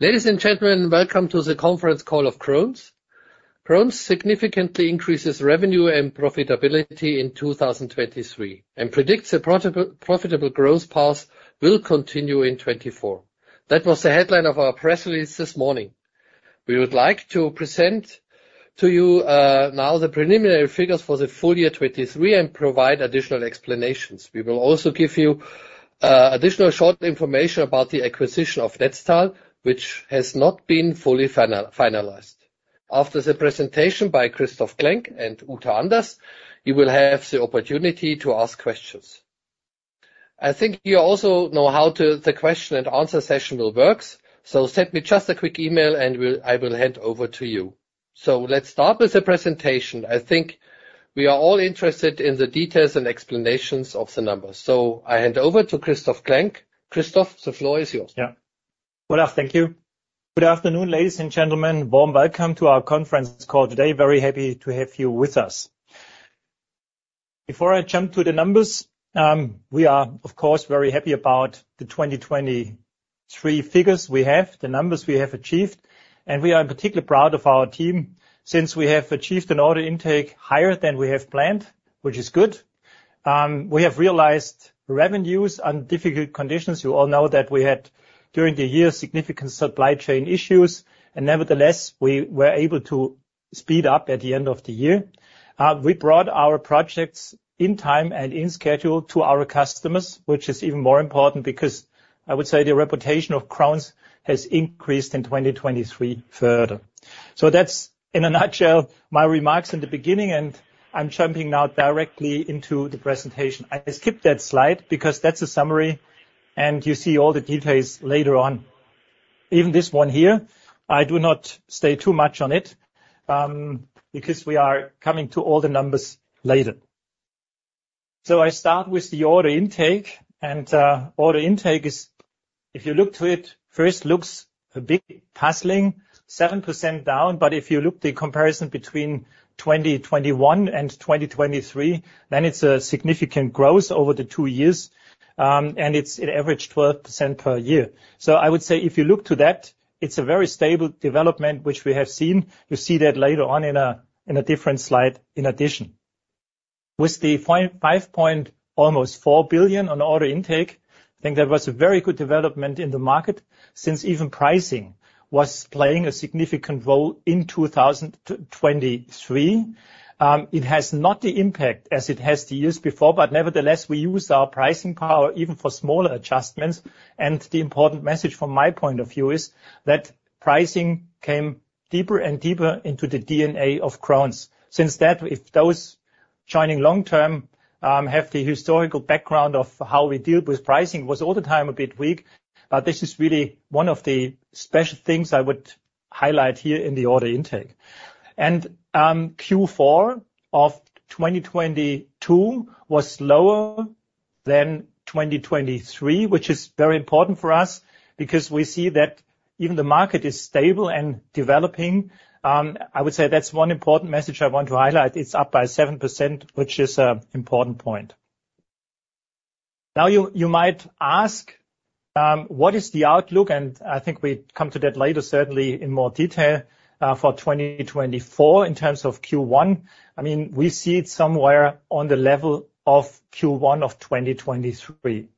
Ladies and gentlemen, welcome to the conference call of Krones. Krones significantly increases revenue and profitability in 2023, and predicts a profitable growth path will continue in 2024. That was the headline of our press release this morning. We would like to present to you now the preliminary figures for the full year 2023, and provide additional explanations. We will also give you additional short information about the acquisition of Netstal, which has not been fully finalized. After the presentation by Christoph Klenk and Uta Anders, you will have the opportunity to ask questions. I think you also know how the question-and-answer session works, so send me just a quick email, and we'll hand over to you. So let's start with the presentation. I think we are all interested in the details and explanations of the numbers, so I hand over to Christoph Klenk. Christoph, the floor is yours. Yeah. Well, thank you. Good afternoon, ladies and gentlemen. Warm welcome to our conference call today. Very happy to have you with us. Before I jump to the numbers, we are, of course, very happy about the 2023 figures we have, the numbers we have achieved, and we are particularly proud of our team, since we have achieved an order intake higher than we have planned, which is good. We have realized revenues and difficult conditions. You all know that we had, during the year, significant supply chain issues, and nevertheless, we were able to speed up at the end of the year. We brought our projects in time and in schedule to our customers, which is even more important because I would say the reputation of Krones has increased in 2023 further. So that's, in a nutshell, my remarks in the beginning, and I'm jumping now directly into the presentation. I skipped that slide because that's a summary, and you see all the details later on. Even this one here, I do not stay too much on it, because we are coming to all the numbers later. So I start with the order intake, and order intake is, if you look to it, first looks a bit puzzling, 7% down. But if you look the comparison between 2021 and 2023, then it's a significant growth over the two years, and it's an average 12% per year. So I would say if you look to that, it's a very stable development, which we have seen. You'll see that later on in a different slide in addition. With the 5.4 billion on order intake, I think there was a very good development in the market since even pricing was playing a significant role in 2023. It has not the impact as it has the years before, but nevertheless, we used our pricing power even for smaller adjustments. And the important message from my point of view is that pricing came deeper and deeper into the DNA of Krones. Since that, if those joining long term have the historical background of how we deal with pricing, was all the time a bit weak, but this is really one of the special things I would highlight here in the order intake. And Q4 of 2022 was lower than 2023, which is very important for us because we see that even the market is stable and developing. I would say that's one important message I want to highlight. It's up by 7%, which is an important point. Now, you might ask, what is the outlook? And I think we come to that later, certainly in more detail, for 2024 in terms of Q1. I mean, we see it somewhere on the level of Q1 of 2023.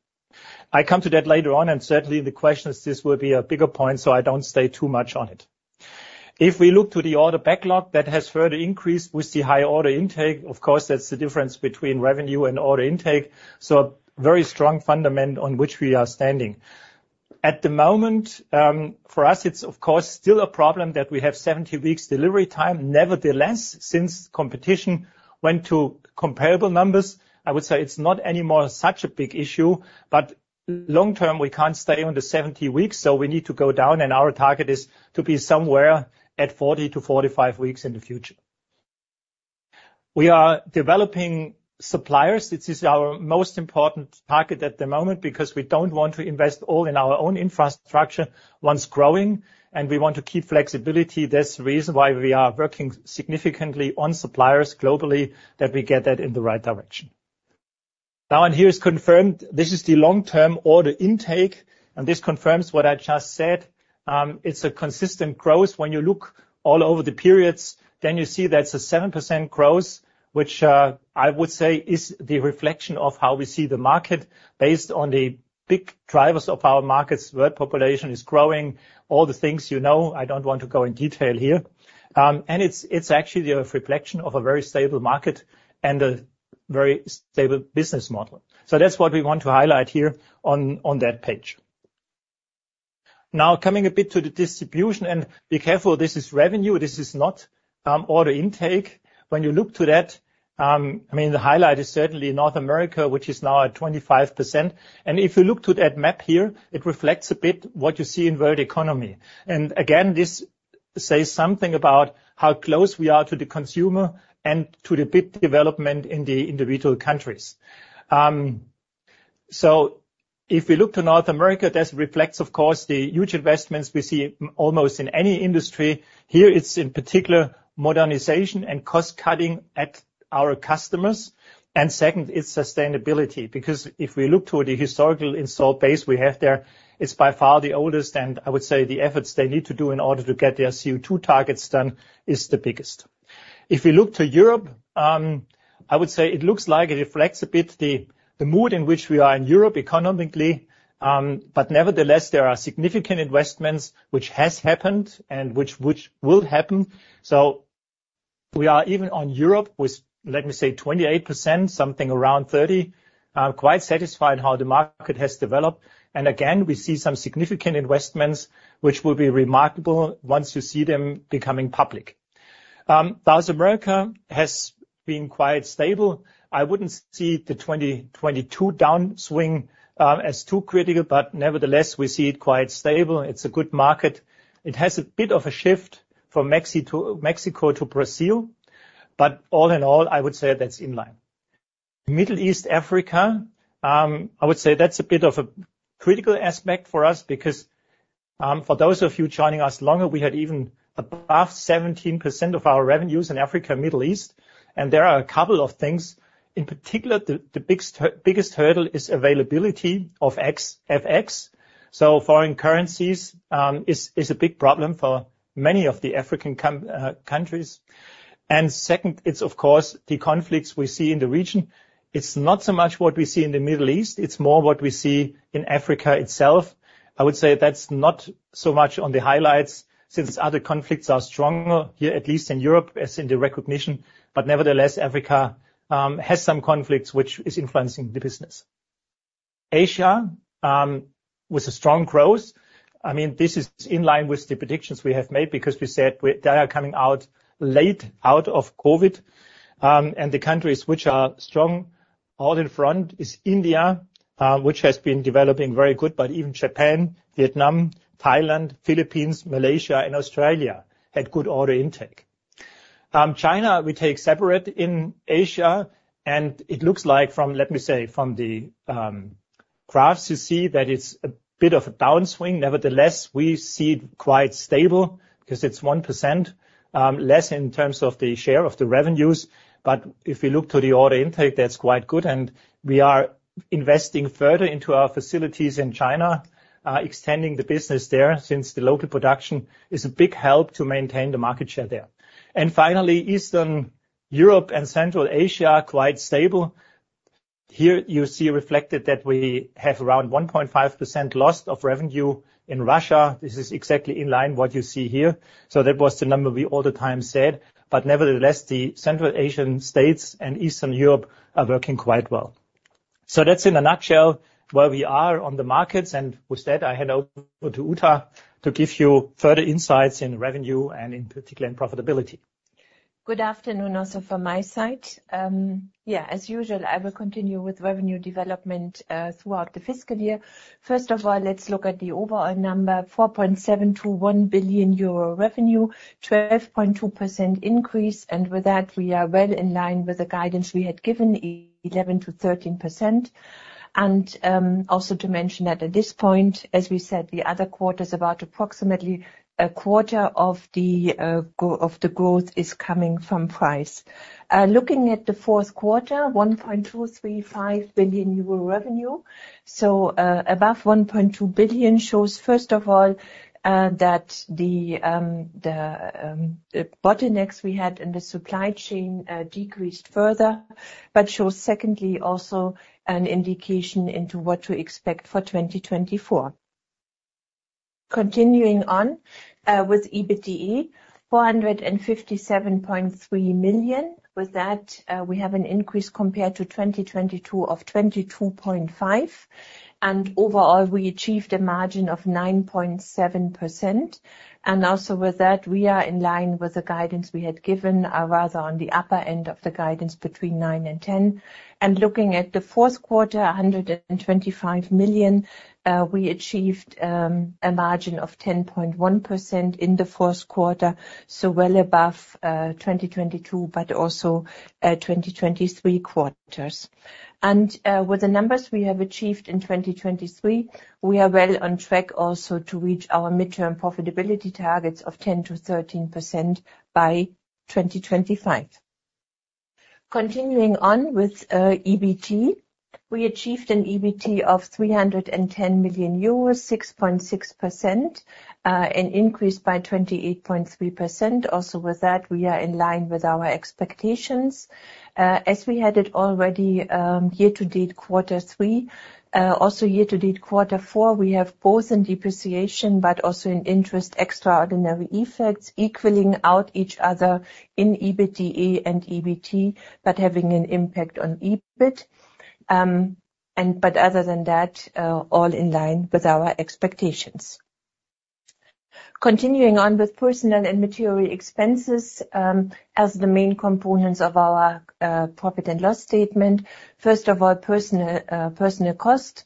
I come to that later on, and certainly in the questions, this will be a bigger point, so I don't stay too much on it. If we look to the order backlog, that has further increased with the high order intake. Of course, that's the difference between revenue and order intake, so very strong fundament on which we are standing. At the moment, for us, it's, of course, still a problem that we have 70 weeks delivery time. Nevertheless, since competition went to comparable numbers, I would say it's not anymore such a big issue, but long term, we can't stay on the 70 weeks, so we need to go down, and our target is to be somewhere at 40 weeks-45 weeks in the future. We are developing suppliers. This is our most important target at the moment because we don't want to invest all in our own infrastructure once growing, and we want to keep flexibility. That's the reason why we are working significantly on suppliers globally, that we get that in the right direction. Now, and here is confirmed, this is the long-term order intake, and this confirms what I just said. It's a consistent growth. When you look all over the periods, then you see that's a 7% growth, which, I would say is the reflection of how we see the market based on the big drivers of our markets. World population is growing, all the things you know, I don't want to go in detail here. It's actually a reflection of a very stable market and a very stable business model. So that's what we want to highlight here on, on that page. Now, coming a bit to the distribution, and be careful, this is revenue. This is not order intake. When you look to that, I mean, the highlight is certainly North America, which is now at 25%. If you look to that map here, it reflects a bit what you see in world economy. And again, this says something about how close we are to the consumer and to the big development in the individual countries. If we look to North America, that reflects, of course, the huge investments we see almost in any industry. Here, it's in particular, modernization and cost-cutting at our customers. And second, it's sustainability, because if we look to the historical install base we have there, it's by far the oldest, and I would say the efforts they need to do in order to get their CO2 targets done is the biggest. If we look to Europe, I would say it looks like it reflects a bit the mood in which we are in Europe economically. But nevertheless, there are significant investments which has happened and which will happen. So we are even on Europe, with, let me say, 28%, something around 30%, quite satisfied how the market has developed. And again, we see some significant investments, which will be remarkable once you see them becoming public. South America has been quite stable. I wouldn't see the 2022 downswing as too critical, but nevertheless, we see it quite stable. It's a good market. It has a bit of a shift from Mexico to Brazil, but all in all, I would say that's in line. Middle East, Africa, I would say that's a bit of a critical aspect for us, because, for those of you joining us longer, we had even above 17% of our revenues in Africa, Middle East. And there are a couple of things, in particular, the biggest hurdle is availability of FX. So foreign currencies is a big problem for many of the African countries. And second, it's of course, the conflicts we see in the region. It's not so much what we see in the Middle East, it's more what we see in Africa itself. I would say that's not so much on the highlights since other conflicts are stronger, here, at least in Europe, as in the recognition. But nevertheless, Africa has some conflicts which is influencing the business. Asia with a strong growth. I mean, this is in line with the predictions we have made because they are coming out late out of COVID. And the countries which are strong, out in front, is India, which has been developing very good, but even Japan, Vietnam, Thailand, Philippines, Malaysia, and Australia had good order intake. China, we take separate in Asia, and it looks like from, let me say, from the, graphs, you see that it's a bit of a downswing. Nevertheless, we see it quite stable because it's 1%, less in terms of the share of the revenues. But if we look to the order intake, that's quite good, and we are investing further into our facilities in China, extending the business there, since the local production is a big help to maintain the market share there. And finally, Eastern Europe and Central Asia, quite stable. Here you see reflected that we have around 1.5% loss of revenue in Russia. This is exactly in line what you see here. So that was the number we all the time said. But nevertheless, the Central Asian states and Eastern Europe are working quite well. That's in a nutshell where we are on the markets, and with that, I hand over to Uta to give you further insights in revenue and, in particular, in profitability. Good afternoon, also from my side. Yeah, as usual, I will continue with revenue development throughout the fiscal year. First of all, let's look at the overall number, 4.721 billion euro revenue, 12.2% increase, and with that, we are well in line with the guidance we had given, 11%-13%. Also to mention that at this point, as we said, the other quarters, about approximately a quarter of the growth is coming from price. Looking at the fourth quarter, 1.235 billion euro revenue. So, above 1.2 billion shows, first of all, that the bottlenecks we had in the supply chain decreased further, but shows, secondly, also an indication into what to expect for 2024. Continuing on, with EBITDA, 457.3 million. With that, we have an increase compared to 2022 of 22.5. And overall, we achieved a margin of 9.7%. And also with that, we are in line with the guidance we had given, rather on the upper end of the guidance between 9%-10%. And looking at the fourth quarter, 125 million, we achieved, a margin of 10.1% in the fourth quarter, so well above, 2022, but also, 2023 quarters. And, with the numbers we have achieved in 2023, we are well on track also to reach our midterm profitability targets of 10%-13% by 2025. Continuing on with EBT, we achieved an EBT of 310 million euros, 6.6%, an increase by 28.3%. Also with that, we are in line with our expectations. As we had it already, year-to-date, quarter three, also year-to-date, quarter four, we have both in depreciation, but also in interest, extraordinary effects, equaling out each other in EBITDA and EBT, but having an impact on EBIT. But other than that, all in line with our expectations. Continuing on with personnel and material expenses, as the main components of our profit and loss statement. First of all, personnel, personnel cost-...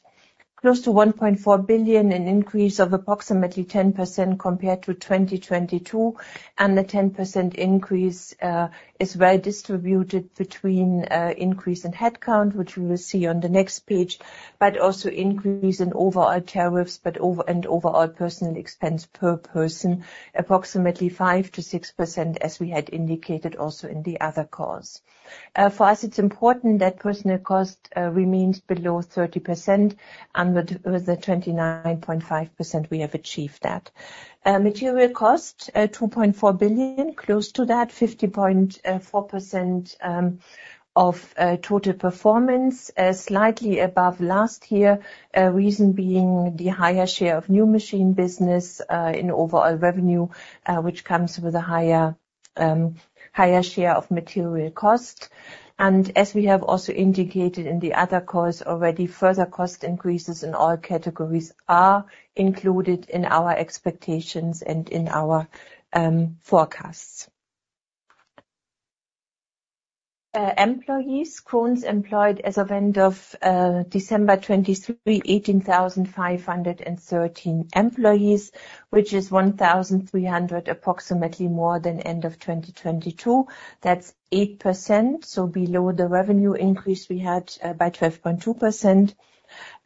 Close to 1.4 billion, an increase of approximately 10% compared to 2022, and the 10% increase is well distributed between increase in headcount, which you will see on the next page, but also increase in overall tariffs and overall personal expense per person, approximately 5%-6%, as we had indicated also in the other calls. For us, it's important that personal cost remains below 30%, and with the 29.5%, we have achieved that. Material cost, two point four billion, close to that, 50.4% of total performance, slightly above last year. Reason being the higher share of new machine business in overall revenue, which comes with a higher higher share of material cost. As we have also indicated in the other calls already, further cost increases in all categories are included in our expectations and in our forecasts. Krones employed as of end of December 2023, 18,513 employees, which is 1,300, approximately more than end of 2022. That's 8%, so below the revenue increase we had by 12.2%.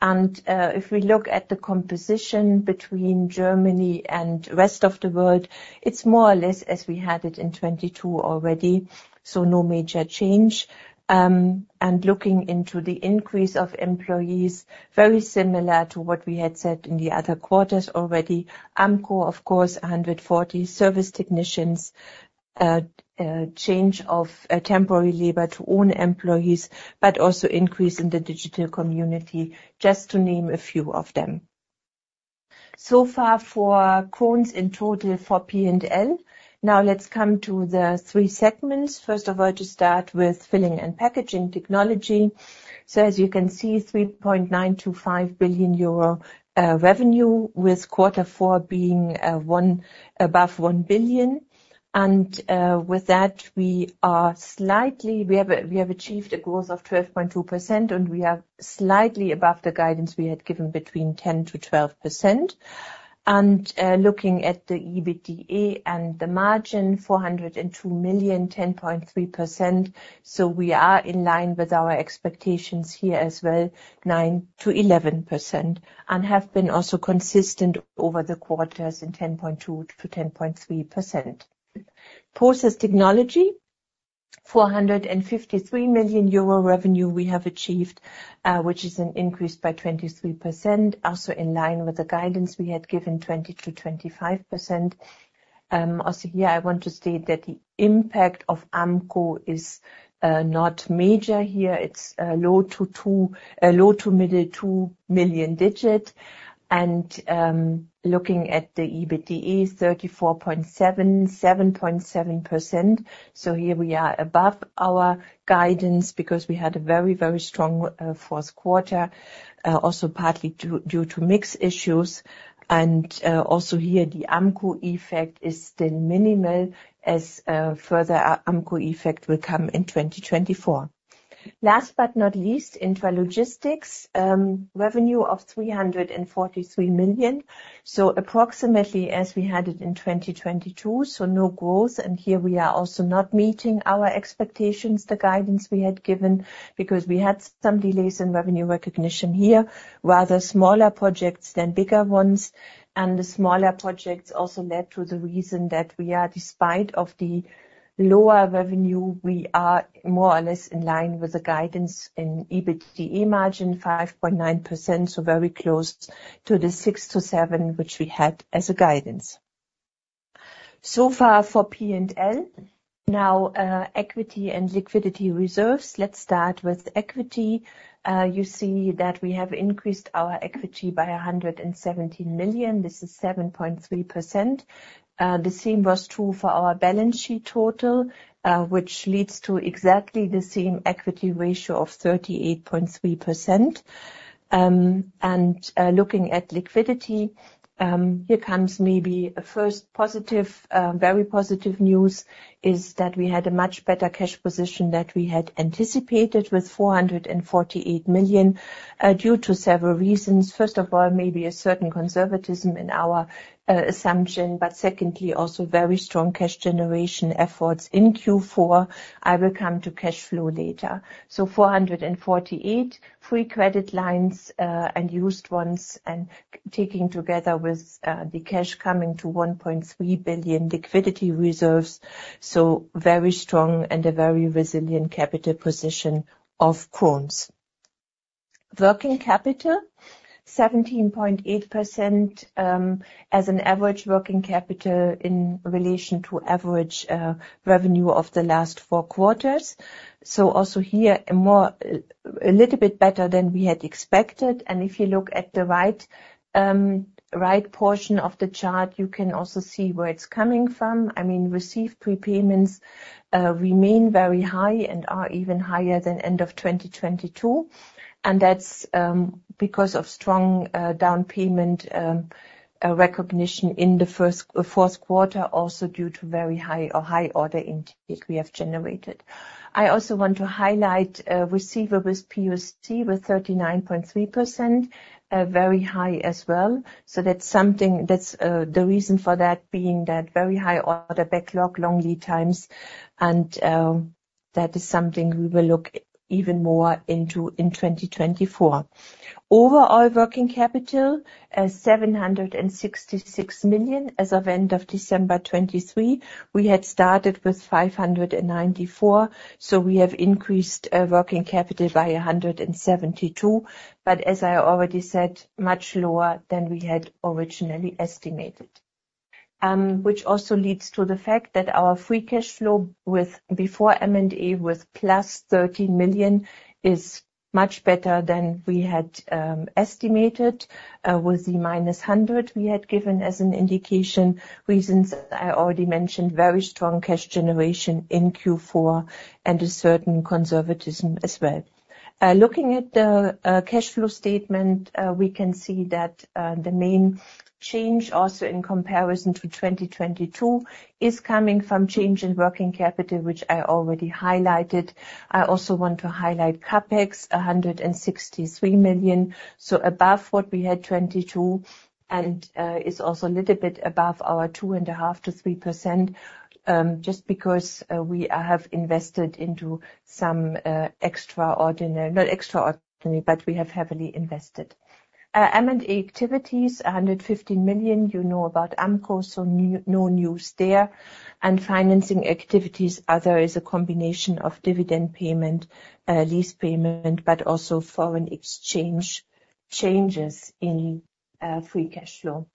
If we look at the composition between Germany and rest of the world, it's more or less as we had it in 2022 already, so no major change and looking into the increase of employees, very similar to what we had said in the other quarters already. Ampco, of course, 140 service technicians, change of temporary labor to own employees, but also increase in the digital community, just to name a few of them. So far for Krones in total for P&L. Now let's come to the three segments. First of all, to start with filling and packaging technology. So as you can see, 3.925 billion euro revenue, with quarter four being above 1 billion. And with that, we are slightly. We have achieved a growth of 12.2%, and we are slightly above the guidance we had given between 10%-12%. And looking at the EBITDA and the margin, 402 million, 10.3%. So we are in line with our expectations here as well, 9%-11%, and have been also consistent over the quarters in 10.2%-10.3%. Process technology, 453 million euro revenue we have achieved, which is an increase by 23%, also in line with the guidance we had given, 20%-25%. Also, here I want to state that the impact of Ampco is not major here. It's low to middle 2 million digit. Looking at the EBITDA, 34.7 million, 7.7%. So here we are above our guidance because we had a very, very strong fourth quarter, also partly due to mix issues. Also here, the Ampco effect is still minimal, as further Ampco effect will come in 2024. Last but not least, intralogistics, revenue of 343 million, so approximately as we had it in 2022, so no growth. Here we are also not meeting our expectations, the guidance we had given, because we had some delays in revenue recognition here, rather smaller projects than bigger ones. The smaller projects also led to the reason that we are, despite of the lower revenue, we are more or less in line with the guidance in EBITDA margin, 5.9%, so very close to the 6%-7%, which we had as a guidance. So far for P&L. Now, equity and liquidity reserves. Let's start with equity. You see that we have increased our equity by 117 million. This is 7.3%. The same was true for our balance sheet total, which leads to exactly the same equity ratio of 38.3%. And, looking at liquidity, here comes maybe a first positive, very positive news, is that we had a much better cash position than we had anticipated with 448 million, due to several reasons. First of all, maybe a certain conservatism in our, assumption, but secondly, also very strong cash generation efforts in Q4. I will come to cash flow later. So 448 million free credit lines and used ones, and taking together with the cash coming to 1.3 billion liquidity reserves, so very strong and a very resilient capital position of Krones. Working capital, 17.8%, as an average working capital in relation to average revenue of the last four quarters. So also here, a little bit better than we had expected. And if you look at the right portion of the chart, you can also see where it's coming from. I mean, received prepayments remain very high and are even higher than end of 2022. And that's because of strong down payment recognition in the fourth quarter, also due to very high or high order intake we have generated. I also want to highlight receivable with POC with 39.3%, very high as well. So that's something that's the reason for that being that very high order backlog, long lead times, and. That is something we will look even more into in 2024. Overall working capital is 766 million as of end of December 2023. We had started with 594 million, so we have increased working capital by 172 million. But as I already said, much lower than we had originally estimated. Which also leads to the fact that our free cash flow before M&A with +13 million is much better than we had estimated with the -100 million we had given as an indication. Reasons I already mentioned, very strong cash generation in Q4 and a certain conservatism as well. Looking at the cash flow statement, we can see that the main change, also in comparison to 2022, is coming from change in working capital, which I already highlighted. I also want to highlight CapEx, 163 million, so above what we had 2022, and it's also a little bit above our 2.5%-3%, just because we have invested into some extraordinary, not extraordinary, but we have heavily invested. M&A activities, 115 million, you know about Ampco, so no news there. And financing activities, other is a combination of dividend payment, lease payment, but also foreign exchange changes in free cash flow.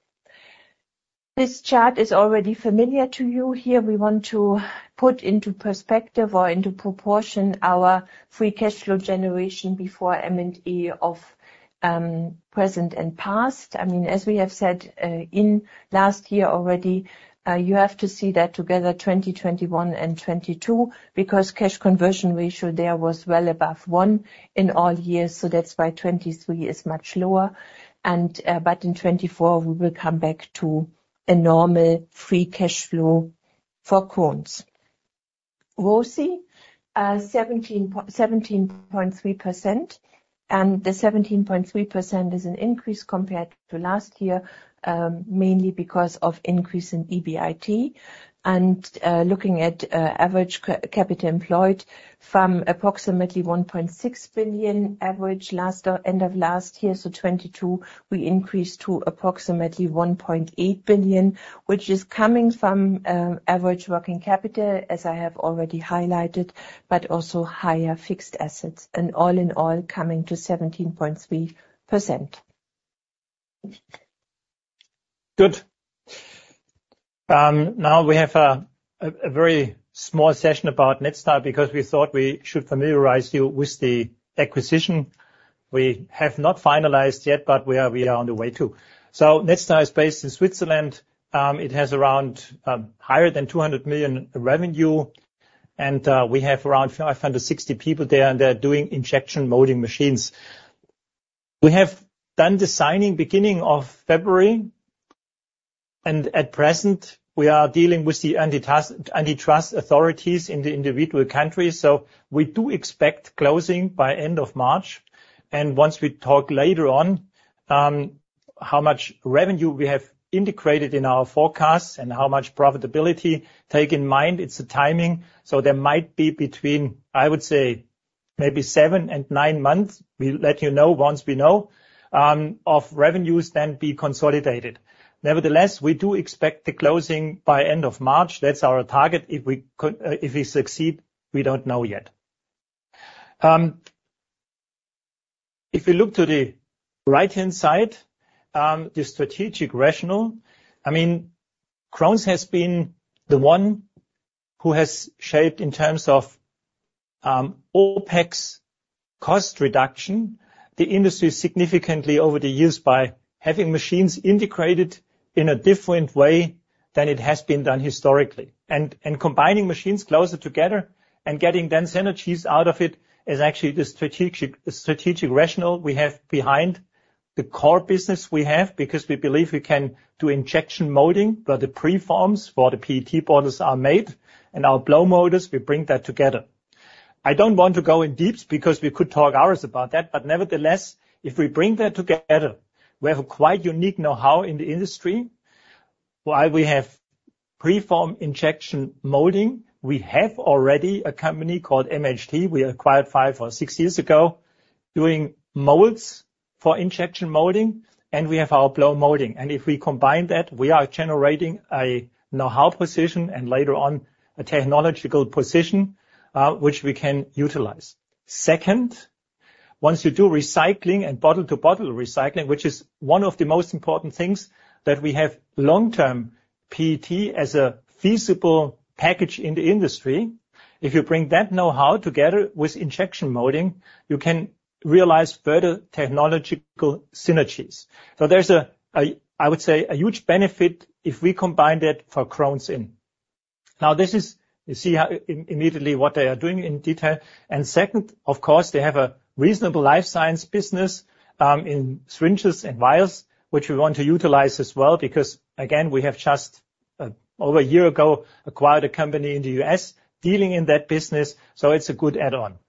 This chart is already familiar to you. Here we want to put into perspective or into proportion our free cash flow generation before M&A of, present and past. I mean, as we have said, in last year already, you have to see that together, 2021 and 2022, because cash conversion ratio there was well above one in all years, so that's why 2023 is much lower. But in 2024, we will come back to a normal free cash flow for Krones. ROCE, seventeen point, 17.3%, and the 17.3% is an increase compared to last year, mainly because of increase in EBIT. And, looking at average capital employed from approximately 1.6 billion average last year, end of last year, so 2022, we increased to approximately 1.8 billion, which is coming from average working capital, as I have already highlighted, but also higher fixed assets, and all in all, coming to 17.3%. Good. Now we have a very small session about Netstal because we thought we should familiarize you with the acquisition. We have not finalized yet, but we are on the way to. So Netstal is based in Switzerland. It has around higher than 200 million revenue, and we have around 560 people there, and they're doing injection molding machines. We have done the signing beginning of February, and at present, we are dealing with the antitrust authorities in the individual countries, so we do expect closing by end of March. Once we talk later on, how much revenue we have integrated in our forecasts and how much profitability, keep in mind, it's the timing, so there might be between, I would say, maybe 7 months-9 months, we'll let you know once we know of revenues then be consolidated. Nevertheless, we do expect the closing by end of March. That's our target. If we could, if we succeed, we don't know yet. If you look to the right-hand side, the strategic rationale, I mean, Krones has been the one who has shaped, in terms of, OpEx cost reduction, the industry significantly over the years by having machines integrated in a different way than it has been done historically. And combining machines closer together and getting dense synergies out of it is actually the strategic rationale we have behind the core business we have, because we believe we can do injection molding, where the preforms for the PET bottles are made, and our blow molders, we bring that together. I don't want to go in deep because we could talk hours about that, but nevertheless, if we bring that together, we have a quite unique know-how in the industry. While we have preform injection molding, we have already a company called MHT, we acquired 5 years or 6 years ago, doing molds for injection molding, and we have our blow molding. And if we combine that, we are generating a know-how position and later on, a technological position, which we can utilize. Second, once you do recycling and bottle-to-bottle recycling, which is one of the most important things that we have long-term PET as a feasible package in the industry, if you bring that know-how together with injection molding, you can realize further technological synergies. So there's a huge benefit if we combine that for Krones in. Now, this is, you see how immediately what they are doing in detail. And second, of course, they have a reasonable life science business in syringes and vials, which we want to utilize as well, because, again, we have just over a year ago acquired a company in the U.S. dealing in that business, so it's a good add-on.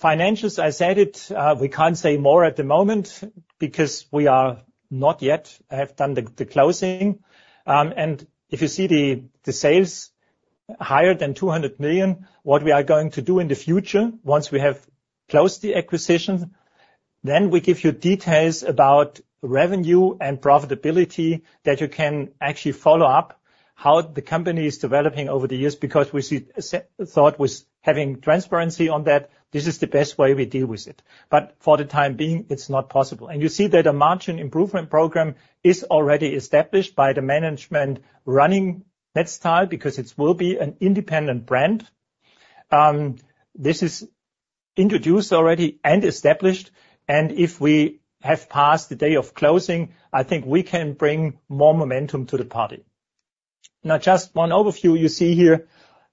Financials, I said it, we can't say more at the moment because we are not yet have done the closing. And if you see the sales higher than 200 million, what we are going to do in the future, once we have closed the acquisition, then we give you details about revenue and profitability that you can actually follow up, how the company is developing over the years, because we see that with having transparency on that, this is the best way we deal with it. But for the time being, it's not possible. You see that a margin improvement program is already established by the management running Netstal, because it will be an independent brand. This is introduced already and established, and if we have passed the day of closing, I think we can bring more momentum to the party. Now, just one overview. You see here,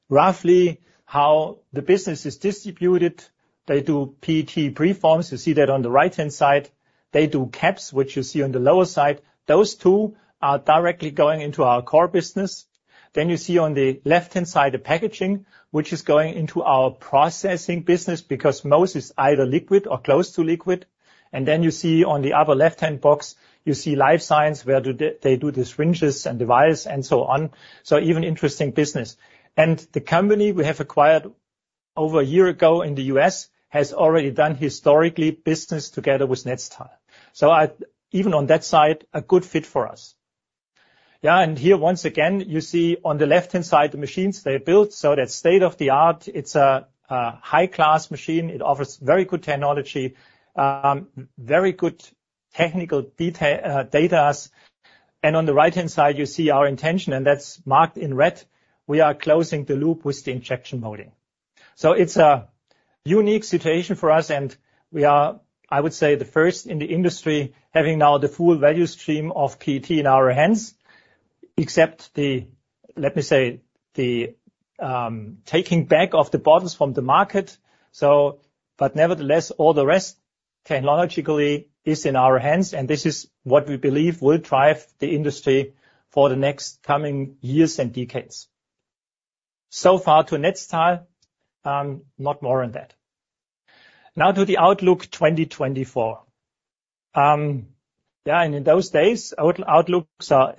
roughly how the business is distributed. They do PET preforms. You see that on the right-hand side. They do caps, which you see on the lower side. Those two are directly going into our core business. Then you see on the left-hand side, the packaging, which is going into our processing business because most is either liquid or close to liquid. And then you see on the upper left-hand box, you see life science, where they do the syringes and device and so on. So even interesting business. And the company we have acquired over a year ago in the U.S., has already done historically, business together with Netstal. So even on that side, a good fit for us. Yeah, and here, once again, you see on the left-hand side, the machines they built, so that's state-of-the-art. It's a high-class machine. It offers very good technology, very good technical data. And on the right-hand side, you see our intention, and that's marked in red. We are closing the loop with the injection molding. So it's a unique situation for us, and we are, I would say, the first in the industry having now the full value stream of PET in our hands, except the, let me say, the taking back of the bottles from the market. So, but nevertheless, all the rest, technologically, is in our hands, and this is what we believe will drive the industry for the next coming years and decades. So far to Netstal, not more on that. Now to the outlook, 2024. Yeah, and in those days, outlooks are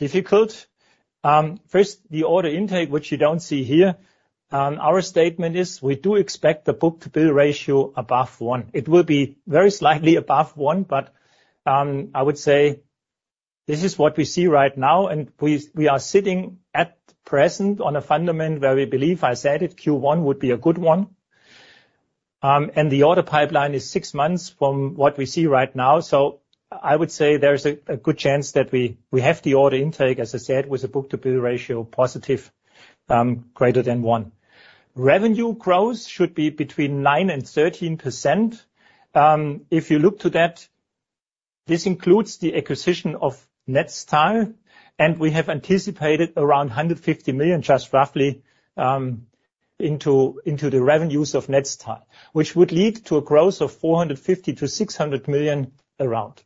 always difficult. First, the order intake, which you don't see here, our statement is we do expect the book-to-bill ratio above one. It will be very slightly above one, but I would say this is what we see right now, and we are sitting at present on a fundament where we believe, I said it, Q1 would be a good one. And the order pipeline is six months from what we see right now, so I would say there's a good chance that we have the order intake, as I said, with a book-to-bill ratio positive, greater than one. Revenue growth should be between 9% and 13%. If you look to that, this includes the acquisition of Netstal, and we have anticipated around 150 million, just roughly, into the revenues of Netstal, which would lead to a growth of 450 million-600 million around.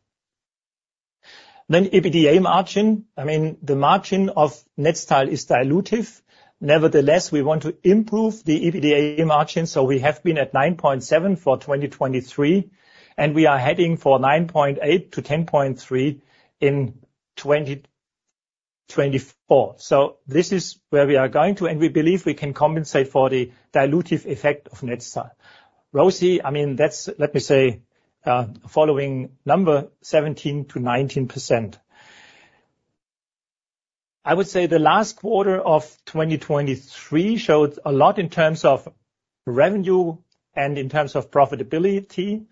Then EBITDA margin, I mean, the margin of Netstal is dilutive. Nevertheless, we want to improve the EBITDA margin, so we have been at 9.7% for 2023, and we are heading for 9.8%-10.3% in 2024. So this is where we are going to, and we believe we can compensate for the dilutive effect of Netstal. ROCE, I mean, that's, let me say, following number 17%-19%. I would say the last quarter of 2023 showed a lot in terms of revenue and in terms of profitability,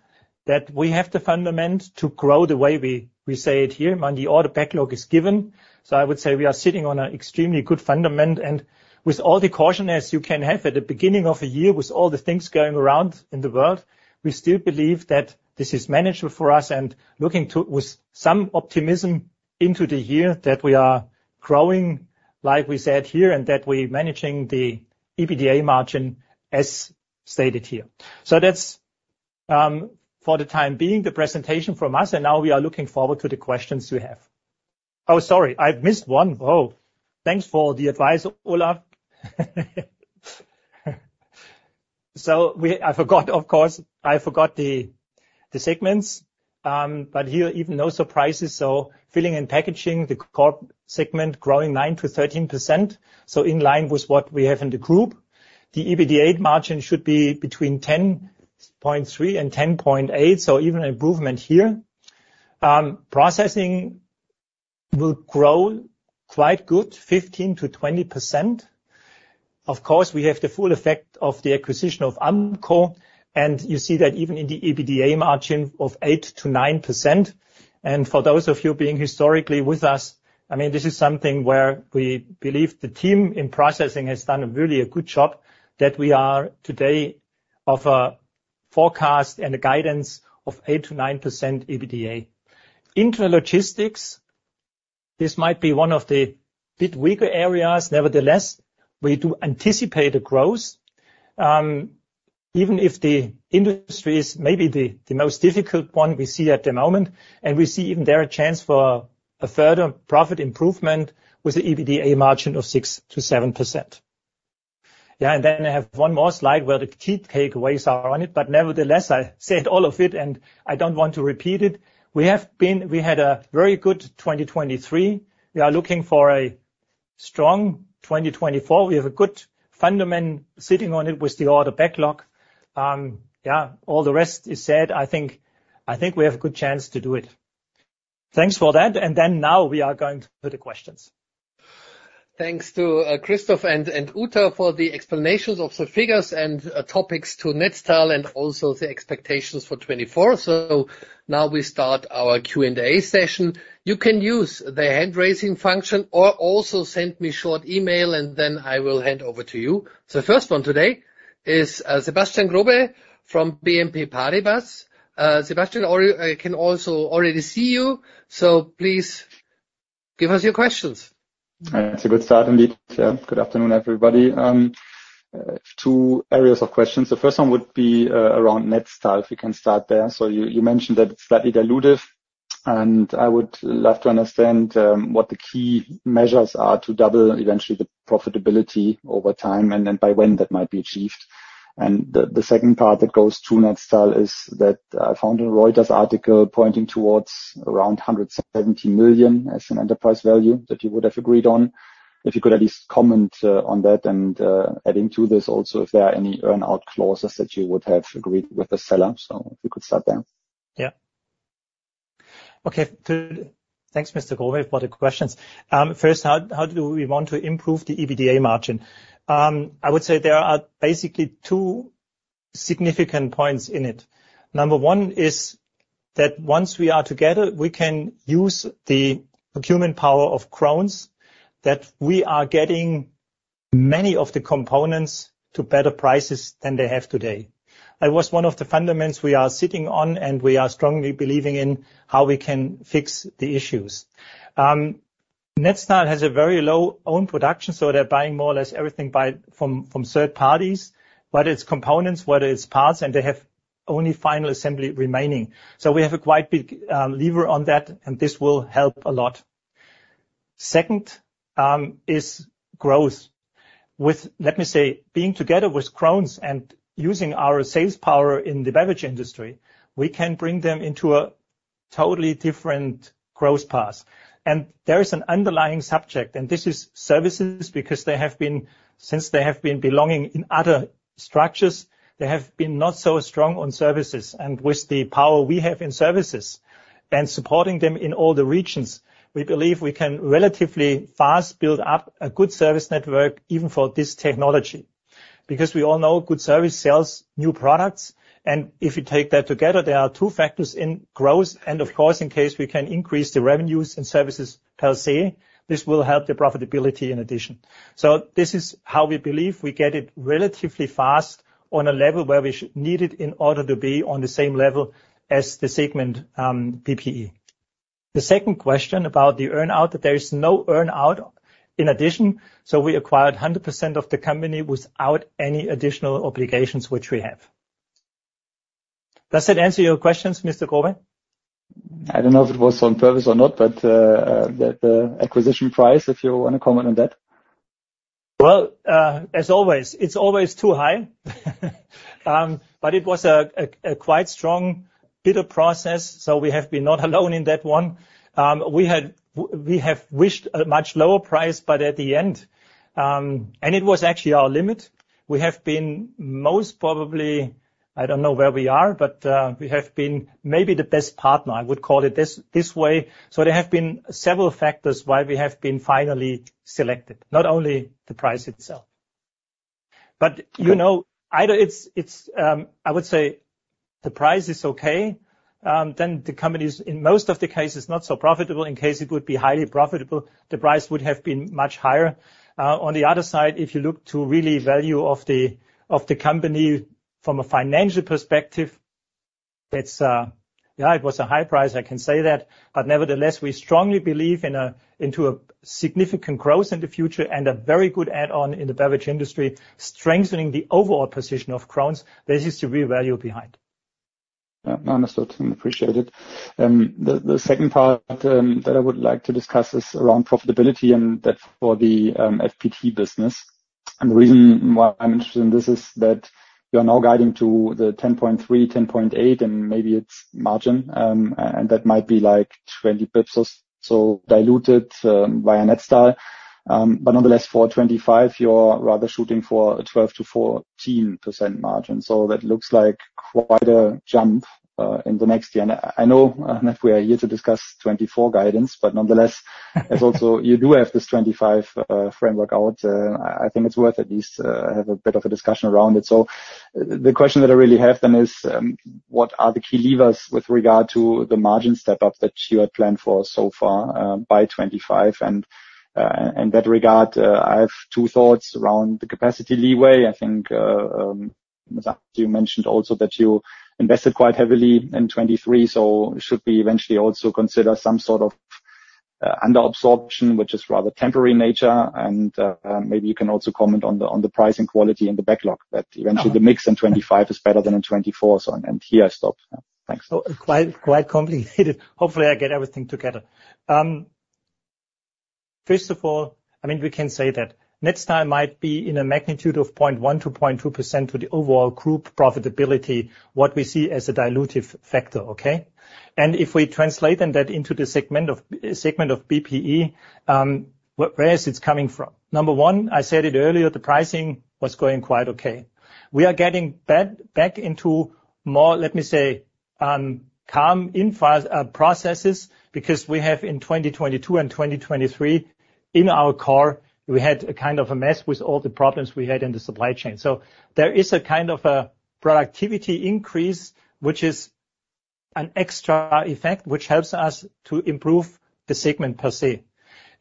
that we have the fundament to grow the way we say it here, and the order backlog is given. So I would say we are sitting on an extremely good fundament, and with all the caution as you can have at the beginning of a year, with all the things going around in the world, we still believe that this is manageable for us and looking to- with some optimism into the year that we are growing, like we said here, and that we're managing the EBITDA margin as stated here. So that's, for the time being, the presentation from us, and now we are looking forward to the questions you have. Oh, sorry, I've missed one. Oh, thanks for the advice, Olaf. So we-- I forgot, of course, I forgot the segments. But here, even no surprises, so filling and packaging, the core segment, growing 9%-13%, so in line with what we have in the group. The EBITDA margin should be between 10.3% and 10.8%, so even improvement here. Processing will grow quite good, 15%-20%. Of course, we have the full effect of the acquisition of Ampco, and you see that even in the EBITDA margin of 8%-9%. And for those of you being historically with us, I mean, this is something where we believe the team in processing has done a really a good job, that we are today of a forecast and a guidance of 8%-9% EBITDA. Intralogistics, this might be one of the bit weaker areas. Nevertheless, we do anticipate a growth,... Even if the industry is maybe the most difficult one we see at the moment, and we see even there a chance for a further profit improvement with the EBITDA margin of 6%-7%. Yeah, and then I have one more slide where the key takeaways are on it, but nevertheless, I said all of it, and I don't want to repeat it. We had a very good 2023. We are looking for a strong 2024. We have a good fundament sitting on it with the order backlog. Yeah, all the rest is said. I think we have a good chance to do it. Thanks for that, and then now we are going to the questions. Thanks to Christoph and Uta for the explanations of the figures and topics to Netstal and also the expectations for 2024. So now we start our Q&A session. You can use the hand-raising function or also send me short email, and then I will hand over to you. So the first one today is Sebastian Growe from BNP Paribas. Sebastian, or I can also already see you, so please give us your questions. It's a good start indeed. Yeah. Good afternoon, everybody. Two areas of questions. The first one would be around Netstal, if you can start there. So you mentioned that it's slightly dilutive, and I would love to understand what the key measures are to double eventually the profitability over time, and then by when that might be achieved. And the second part that goes to Netstal is that I found a Reuters article pointing towards around 170 million as an enterprise value that you would have agreed on. If you could at least comment on that, and adding to this also, if there are any earn-out clauses that you would have agreed with the seller. So if you could start there. Yeah. Okay, thanks, Mr. Growe, for the questions. First, how do we want to improve the EBITDA margin? I would say there are basically two significant points in it. Number one is that once we are together, we can use the procurement power of Krones, that we are getting many of the components to better prices than they have today. That was one of the fundamentals we are sitting on, and we are strongly believing in how we can fix the issues. Netstal has a very low own production, so they're buying more or less everything from third parties, whether it's components, whether it's parts, and they have only final assembly remaining. So we have a quite big lever on that, and this will help a lot. Second, is growth. With... Let me say, being together with Krones and using our sales power in the beverage industry, we can bring them into a totally different growth path. There is an underlying subject, and this is services, because they have been, since they have been belonging in other structures, they have been not so strong on services. With the power we have in services and supporting them in all the regions, we believe we can relatively fast build up a good service network, even for this technology. Because we all know good service sells new products, and if you take that together, there are two factors in growth, and of course, in case we can increase the revenues and services per se, this will help the profitability in addition. So this is how we believe we get it relatively fast on a level where we need it in order to be on the same level as the segment, PPE. The second question about the earn-out, that there is no earn-out in addition, so we acquired 100% of the company without any additional obligations which we have. Does that answer your questions, Mr. Growe? I don't know if it was on purpose or not, but the acquisition price, if you want to comment on that? Well, as always, it's always too high. But it was a quite strong bit of process, so we have been not alone in that one. We have wished a much lower price, but at the end... It was actually our limit. We have been most probably, I don't know where we are, but, we have been maybe the best partner, I would call it this way. So there have been several factors why we have been finally selected, not only the price itself. But, you know, either it's, I would say the price is okay, then the company is, in most of the cases, not so profitable. In case it would be highly profitable, the price would have been much higher. On the other side, if you look to the real value of the company from a financial perspective, it's, yeah, it was a high price, I can say that. But nevertheless, we strongly believe into a significant growth in the future and a very good add-on in the beverage industry, strengthening the overall position of Krones. There is the real value behind. Yeah, understood and appreciated. The second part that I would like to discuss is around profitability and that for the FPT business. And the reason why I'm interested in this is that you are now guiding to the 10.3-10.8, and maybe it's margin, and that might be like 20 pips or so diluted via Netstal. But nonetheless, for 2025, you're rather shooting for a 12%-14% margin. So that looks like quite a jump in the next year. And I know if we are here to discuss 2024 guidance, but nonetheless it's also, you do have this 2025 framework out. I think it's worth at least have a bit of a discussion around it. So the question that I really have then is, what are the key levers with regard to the margin step-up that you had planned for so far, by 2025? And in that regard, I have two thoughts around the capacity leeway. I think that you mentioned also that you invested quite heavily in 2023, so should we eventually also consider under absorption, which is rather temporary nature. And maybe you can also comment on the pricing quality in the backlog, that eventually the mix in 2025 is better than in 2024. So and here I stop. Thanks. So quite, quite complicated. Hopefully, I get everything together. First of all, I mean, we can say that Netstal might be in a magnitude of 0.1%-0.2% to the overall group profitability, what we see as a dilutive factor, okay? And if we translate then that into the segment of segment of BPE, where is it coming from? Number one, I said it earlier, the pricing was going quite okay. We are getting back into more, let me say, calm in file processes, because we have in 2022 and 2023, in our core, we had a kind of a mess with all the problems we had in the supply chain. So there is a kind of a productivity increase, which is an extra effect, which helps us to improve the segment per se.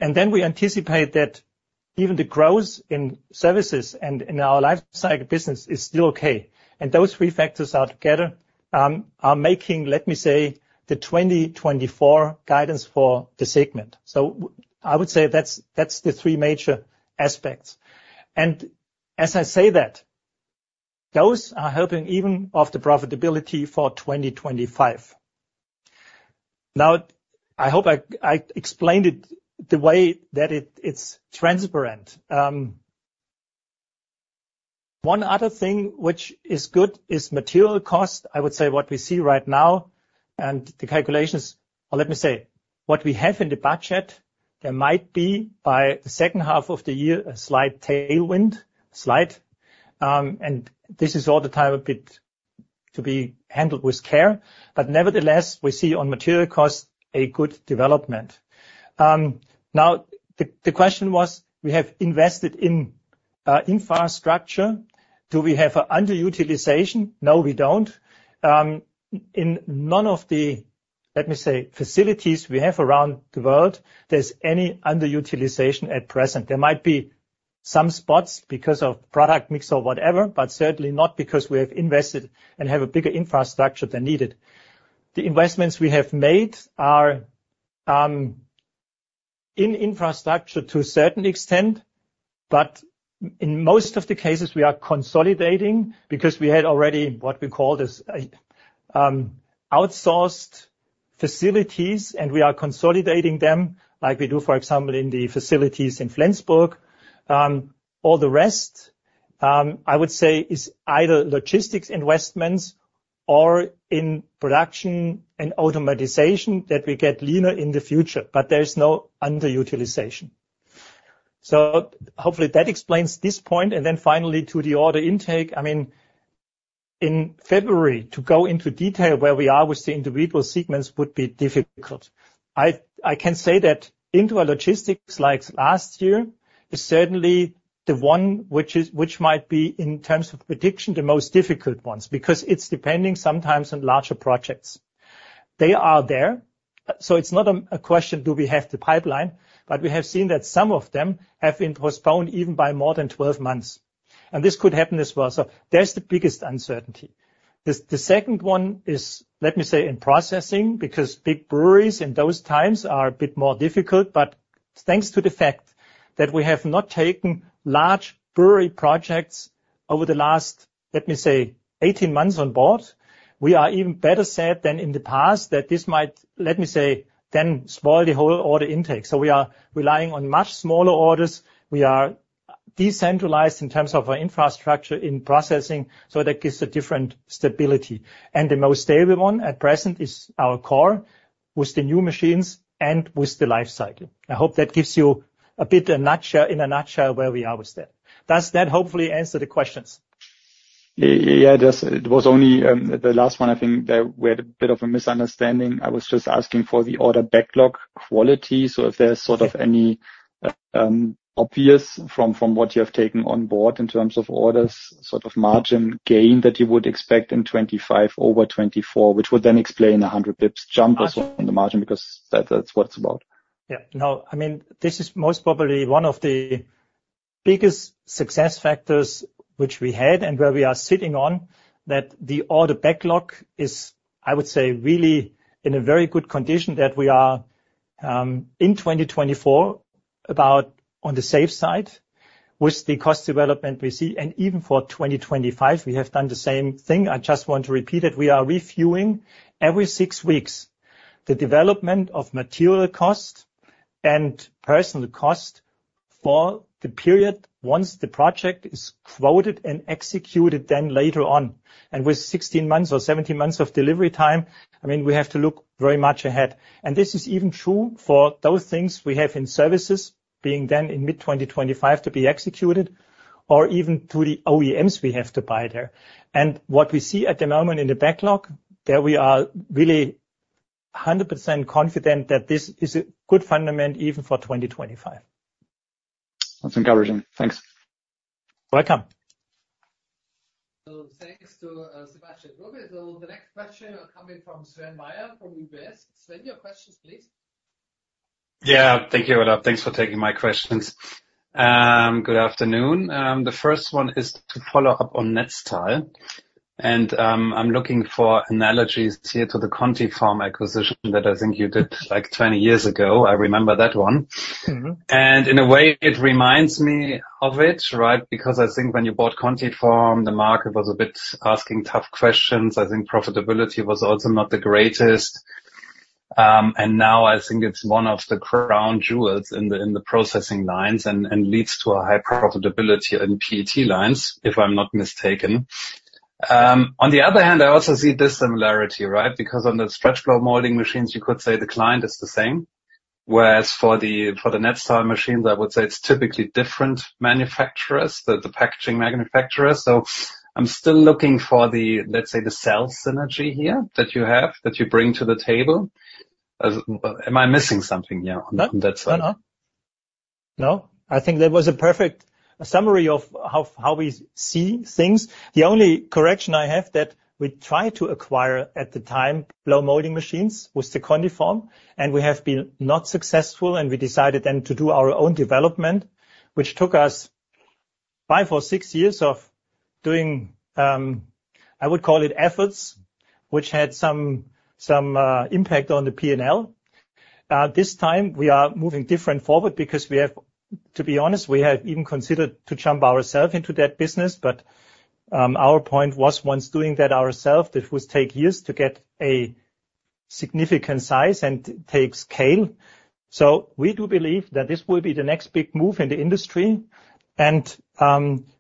Then we anticipate that even the growth in services and in our lifecycle business is still okay. Those three factors are together, are making, let me say, the 2024 guidance for the segment. So, I would say that's, that's the three major aspects. And as I say that, those are helping even of the profitability for 2025. Now, I hope I, I explained it the way that it, it's transparent. One other thing which is good is material cost. I would say what we see right now and the calculations, or let me say, what we have in the budget, there might be, by the second half of the year, a slight tailwind, slight. And this is all the time a bit to be handled with care, but nevertheless, we see on material cost, a good development. Now, the question was, we have invested in infrastructure. Do we have an underutilization? No, we don't. In none of the, let me say, facilities we have around the world, there's any underutilization at present. There might be some spots because of product mix or whatever, but certainly not because we have invested and have a bigger infrastructure than needed. The investments we have made are in infrastructure to a certain extent, but in most of the cases, we are consolidating because we had already what we call this outsourced facilities, and we are consolidating them like we do, for example, in the facilities in Flensburg. All the rest, I would say, is either logistics investments or in production and automation that we get leaner in the future, but there is no underutilization. So hopefully, that explains this point. And then finally, to the order intake, I mean, in February, to go into detail where we are with the individual segments would be difficult. I can say that into our logistics, like last year, is certainly the one which might be, in terms of prediction, the most difficult ones, because it's depending sometimes on larger projects. They are there, so it's not a question, do we have the pipeline? But we have seen that some of them have been postponed even by more than 12 months, and this could happen as well. So there's the biggest uncertainty. The second one is, let me say, in processing, because big breweries in those times are a bit more difficult, but thanks to the fact that we have not taken large brewery projects over the last, let me say, 18 months on board, we are even better set than in the past that this might, let me say, then spoil the whole order intake. So we are relying on much smaller orders. We are decentralized in terms of our infrastructure in processing, so that gives a different stability. And the most stable one at present is our core, with the new machines and with the life cycle. I hope that gives you a bit, a nutshell, in a nutshell, where we are with that. Does that hopefully answer the questions? Yeah, yeah, yes. It was only the last one, I think, that we had a bit of a misunderstanding. I was just asking for the order backlog quality. So if there's sort of any obvious from what you have taken on board in terms of orders, sort of margin gain that you would expect in 25 over 24, which would then explain 100 pips jump as well in the margin, because that's what it's about. Yeah. No, I mean, this is most probably one of the biggest success factors which we had and where we are sitting on, that the order backlog is, I would say, really in a very good condition, that we are in 2024, about on the safe side with the cost development we see. And even for 2025, we have done the same thing. I just want to repeat it. We are reviewing every 6 weeks the development of material cost and personnel cost for the period, once the project is quoted and executed, then later on. And with 16 months or 17 months of delivery time, I mean, we have to look very much ahead. And this is even true for those things we have in services, being done in mid-2025 to be executed or even to the OEMs we have to buy there. What we see at the moment in the backlog, that we are really 100% confident that this is a good foundation even for 2025. That's encouraging. Thanks. Welcome. Thanks to Sebastian Growe. The next question coming from Sven Weier, from UBS. Sven, your questions, please. Yeah. Thank you, Olaf. Thanks for taking my questions. Good afternoon. The first one is to follow up on Netstal. I'm looking for analogies here to the Contiform acquisition that I think you did, like, 20 years ago. I remember that one. In a way, it reminds me of it, right? Because I think when you bought Contiform, the market was a bit asking tough questions. I think profitability was also not the greatest. And now I think it's one of the crown jewels in the processing lines and leads to a high profitability in PET lines, if I'm not mistaken. On the other hand, I also see this similarity, right? Because on the stretch blow molding machines, you could say the client is the same, whereas for the Netstal machines, I would say it's typically different manufacturers, the packaging manufacturers. So I'm still looking for the, let's say, the sales synergy here that you have, that you bring to the table. Am I missing something here on that side? No. No. No, I think that was a perfect summary of how we see things. The only correction I have, that we tried to acquire, at the time, blow molding machines with the Contiform, and we have been not successful, and we decided then to do our own development, which took us 5 or 6 years of doing, I would call it efforts, which had some impact on the P&L. This time, we are moving different forward because we have, to be honest, we have even considered to jump ourself into that business, but, our point was once doing that ourself, that would take years to get a significant size and take scale. So we do believe that this will be the next big move in the industry, and,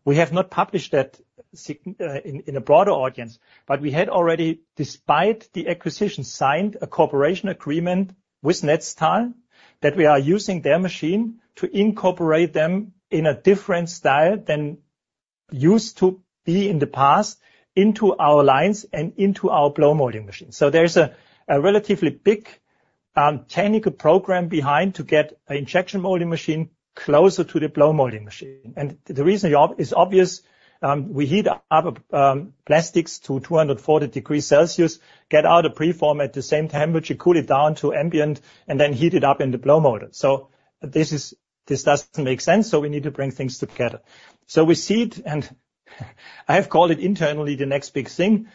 we have not published that sign in a broader audience. But we had already, despite the acquisition, signed a cooperation agreement with Netstal, that we are using their machine to incorporate them in a different style than used to be in the past, into our lines and into our blow molding machine. So there's a relatively big technical program behind to get an injection molding machine closer to the blow molding machine. And the reason is obvious, we heat up plastics to 240 degrees Celsius, get out a preform at the same temperature, cool it down to ambient, and then heat it up in the blow molder. So this doesn't make sense, so we need to bring things together. So we see it, and I have called it internally, the next big thing.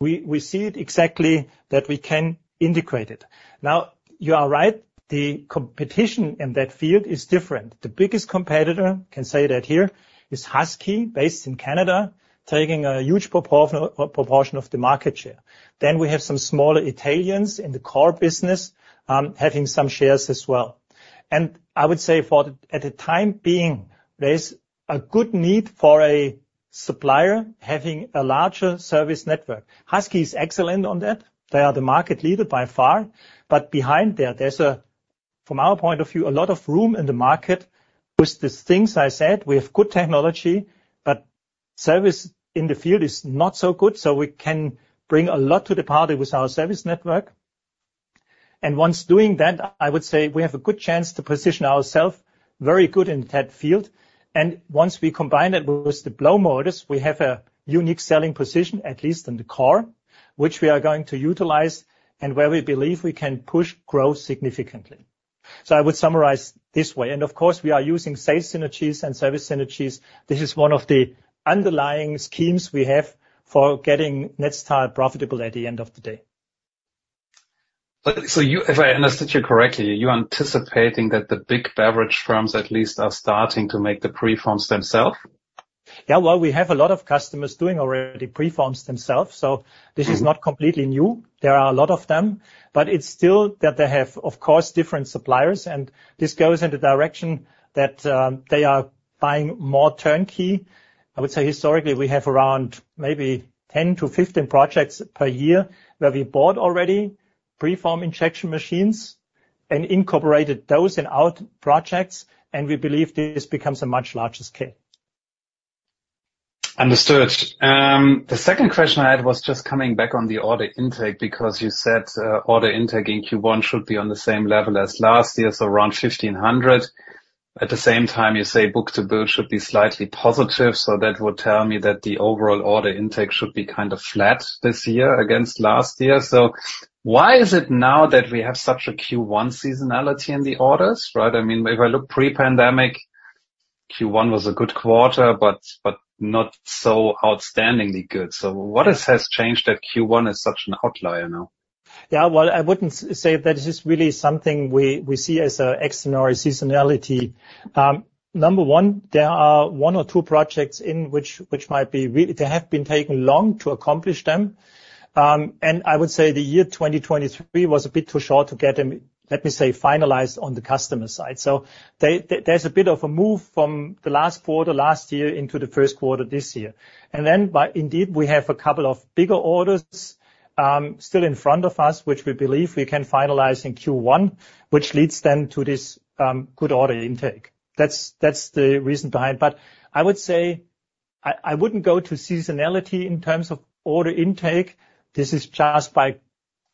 We see it exactly that we can integrate it. Now, you are right, the competition in that field is different. The biggest competitor, can say that here, is Husky, based in Canada, taking a huge proportion of the market share. Then we have some smaller Italians in the core business, having some shares as well. And I would say at the time being, there's a good need for a supplier having a larger service network. Husky is excellent on that. They are the market leader by far. But behind there, there's a, from our point of view, a lot of room in the market with the things I said. We have good technology, but service in the field is not so good, so we can bring a lot to the party with our service network. And once doing that, I would say we have a good chance to position ourself very good in that field. Once we combine it with the blow molders, we have a unique selling position, at least in the core, which we are going to utilize and where we believe we can push growth significantly. I would summarize this way. Of course, we are using sales synergies and service synergies. This is one of the underlying schemes we have for getting Netstal profitable at the end of the day. So you, if I understood you correctly, you're anticipating that the big beverage firms at least are starting to make the preforms themselves? Yeah, well, we have a lot of customers doing already preforms themselves, so this is not completely new. There are a lot of them, but it's still that they have, of course, different suppliers, and this goes in the direction that they are buying more turnkey. I would say historically, we have around maybe 10-15 projects per year where we bought already preform injection machines and incorporated those in our projects, and we believe this becomes a much larger scale. Understood. The second question I had was just coming back on the order intake, because you said order intake in Q1 should be on the same level as last year, so around 1,500. At the same time, you say book-to-bill should be slightly positive, so that would tell me that the overall order intake should be kind of flat this year against last year. So why is it now that we have such a Q1 seasonality in the orders, right? I mean, if I look pre-pandemic, Q1 was a good quarter, but, but not so outstandingly good. So what has changed that Q1 is such an outlier now? Yeah, well, I wouldn't say that this is really something we see as a external seasonality. Number one, there are one or two projects in which might be really—they have been taking long to accomplish them. And I would say the year 2023 was a bit too short to get them, let me say, finalized on the customer side. So they, there's a bit of a move from the last quarter, last year into the first quarter this year. And then indeed, we have a couple of bigger orders still in front of us, which we believe we can finalize in Q1, which leads then to this good order intake. That's the reason behind. But I would say I wouldn't go to seasonality in terms of order intake. This is just by,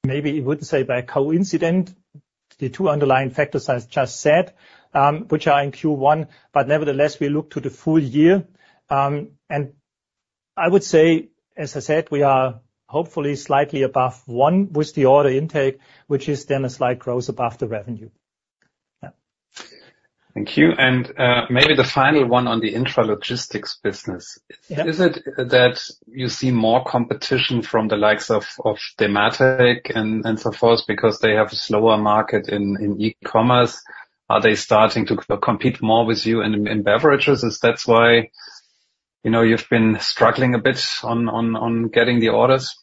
maybe you wouldn't say by a coincidence, the two underlying factors I just said, which are in Q1, but nevertheless, we look to the full year. And I would say, as I said, we are hopefully slightly above one with the order intake, which is then a slight growth above the revenue. Yeah. Thank you. And, maybe the final one on the intralogistics business. Yeah. Is it that you see more competition from the likes of Dematic and so forth, because they have slower market in e-commerce? Are they starting to compete more with you in beverages, is that why, you know, you've been struggling a bit on getting the orders?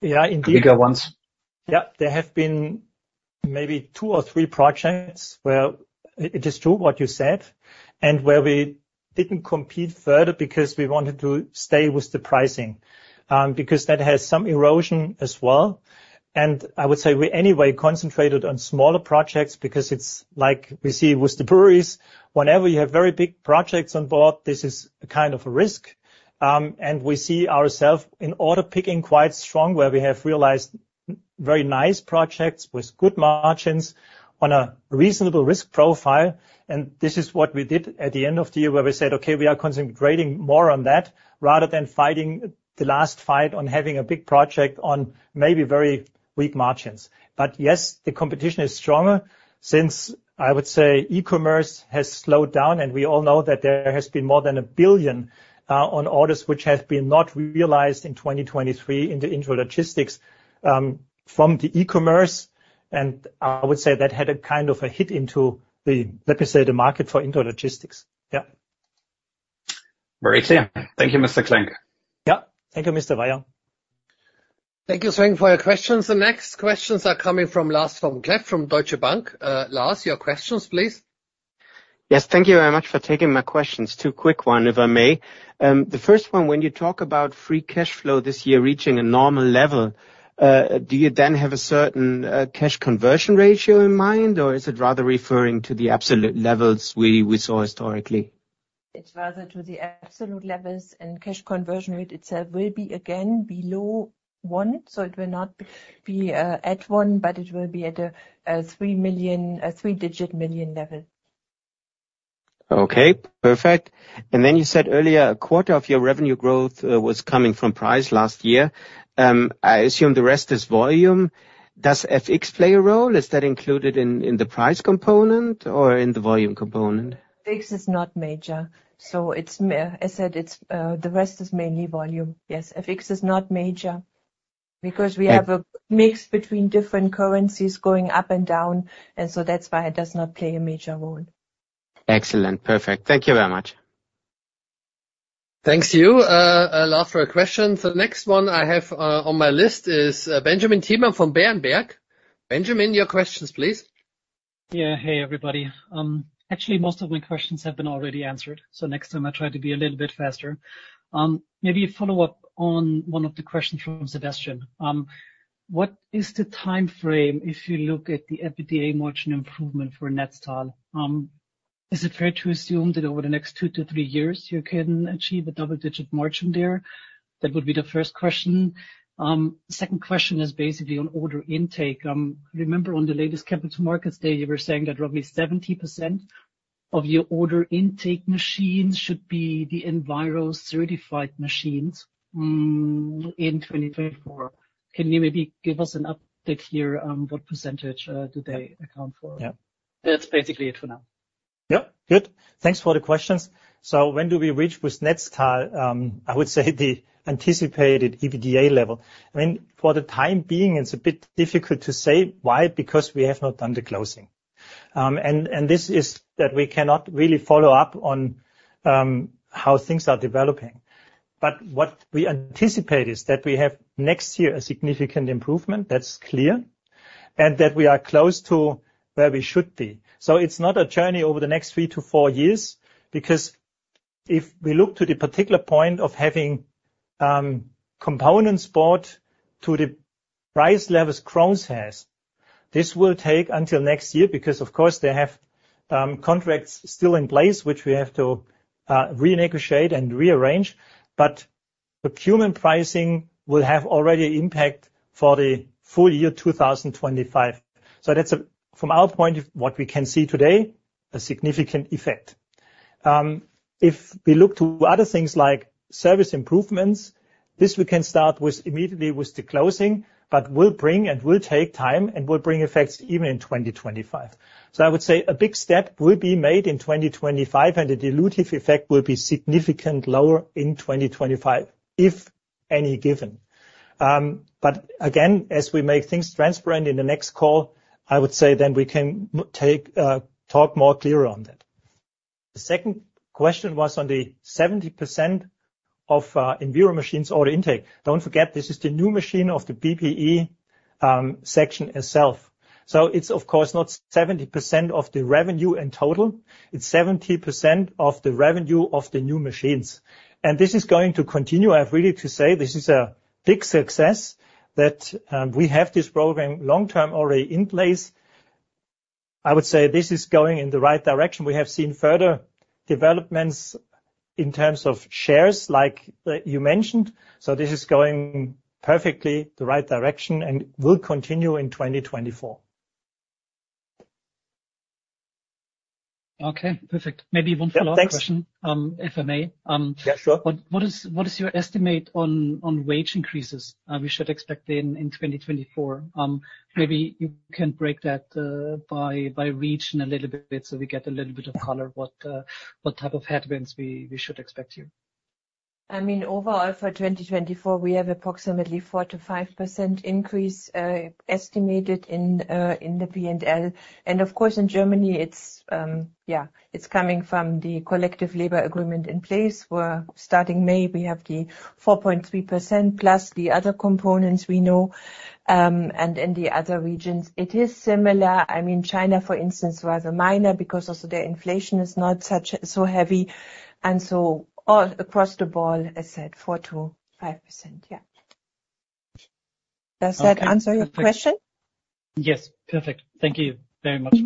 Yeah, indeed. The bigger ones. Yeah. There have been maybe two or three projects where it is true what you said, and where we didn't compete further because we wanted to stay with the pricing, because that has some erosion as well. And I would say we anyway concentrated on smaller projects because it's like we see with the breweries, whenever you have very big projects on board, this is a kind of a risk. And we see ourselves in order picking quite strong, where we have realized very nice projects with good margins on a reasonable risk profile. This is what we did at the end of the year, where we said: "Okay, we are concentrating more on that, rather than fighting the last fight on having a big project on maybe very weak margins." But yes, the competition is stronger since, I would say, e-commerce has slowed down, and we all know that there has been more than 1 billion on orders which have been not realized in 2023, in the intralogistics, from the e-commerce, and I would say that had a kind of a hit into the, let me say, the market for intralogistics. Yeah. Very clear. Thank you, Mr. Klenk. Yeah. Thank you, Mr. Weier. Thank you, Sven, for your questions. The next questions are coming from Lars Cleff from Deutsche Bank. Lars, your questions, please. Yes, thank you very much for taking my questions. Two quick one, if I may. The first one, when you talk about free cash flow this year reaching a normal level, do you then have a certain cash conversion ratio in mind, or is it rather referring to the absolute levels we, we saw historically? It's rather to the absolute levels, and cash conversion rate itself will be again below one, so it will not be at one, but it will be at a 3-digit million EUR level. Okay, perfect. And then you said earlier, a quarter of your revenue growth was coming from price last year. I assume the rest is volume. Does FX play a role? Is that included in, in the price component or in the volume component? FX is not major, so it's, as I said, it's, the rest is mainly volume. Yes, FX is not major because-... we have a mix between different currencies going up and down, and so that's why it does not play a major role. Excellent. Perfect. Thank you very much. Thanks to you, Lars, for your question. The next one I have on my list is Benjamin Thielmann from Berenberg. Benjamin, your questions, please. Yeah. Hey, everybody. Actually, most of my questions have been already answered, so next time I try to be a little bit faster. Maybe a follow-up on one of the questions from Sebastian. What is the time frame if you look at the EBITDA margin improvement for Netstal? Is it fair to assume that over the next 2-3 years, you can achieve a double-digit margin there? That would be the first question. Second question is basically on order intake. I remember on the latest Capital Markets Day, you were saying that roughly 70% of your order intake machines should be the Enviro-certified machines in 2024. Can you maybe give us an update here on what percentage do they account for? Yeah. That's basically it for now. Yeah, good. Thanks for the questions. So when do we reach with Netstal, I would say, the anticipated EBITDA level? I mean, for the time being, it's a bit difficult to say why, because we have not done the closing. And this is that we cannot really follow up on how things are developing. But what we anticipate is that we have, next year, a significant improvement, that's clear, and that we are close to where we should be. So it's not a journey over the next 3 years-4 years, because if we look to the particular point of having components bought to the price levels Krones has, this will take until next year, because, of course, they have contracts still in place, which we have to renegotiate and rearrange. But procurement pricing will have already impact for the full year 2025. So that's from our point of what we can see today, a significant effect. If we look to other things like service improvements, this we can start with immediately with the closing, but will bring and will take time and will bring effects even in 2025. So I would say a big step will be made in 2025, and the dilutive effect will be significantly lower in 2025, if any given. But again, as we make things transparent in the next call, I would say then we can talk more clearer on that. The second question was on the 70% of Enviro machines order intake. Don't forget, this is the new machine of the BPE section itself. So it's of course not 70% of the revenue in total, it's 70% of the revenue of the new machines. And this is going to continue. I have really to say this is a big success, that we have this program long-term already in place. I would say this is going in the right direction. We have seen further developments in terms of shares, like you mentioned, so this is going perfectly the right direction and will continue in 2024. Okay, perfect. Maybe one follow-up question. Yeah, thanks. If I may. Yeah, sure. What is your estimate on wage increases we should expect in 2024? Maybe you can break that by region a little bit, so we get a little bit of color what type of headwinds we should expect here. I mean, overall, for 2024, we have approximately 4%-5% increase estimated in the P&L. And of course, in Germany, it's, yeah, it's coming from the collective labor agreement in place, where starting May, we have the 4.3% plus the other components we know. And in the other regions, it is similar. I mean, China, for instance, was minor because also their inflation is not such so heavy. And so all across the board, as said, 4%-5%. Yeah. Does that answer your question? Yes. Perfect. Thank you very much.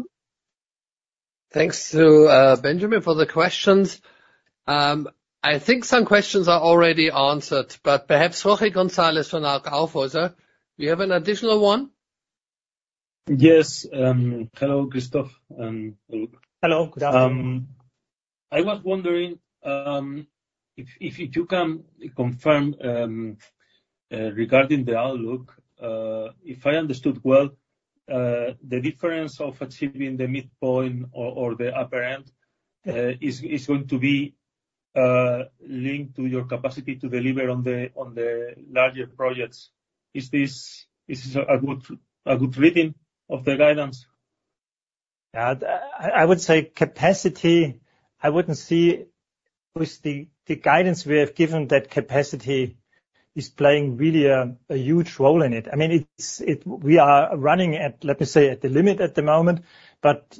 Thanks to Benjamin, for the questions. I think some questions are already answered, but perhaps Jorge González from Hauck Aufhäuser. You have an additional one? Yes. Hello, Christoph. Hello. Hello, good afternoon. I was wondering if you can confirm regarding the outlook, if I understood well, the difference of achieving the midpoint or the upper end is going to be linked to your capacity to deliver on the larger projects. Is this a good reading of the guidance? Yeah, I would say capacity. I wouldn't see with the guidance we have given that capacity is playing really a huge role in it. I mean, it's we are running at, let me say, at the limit at the moment, but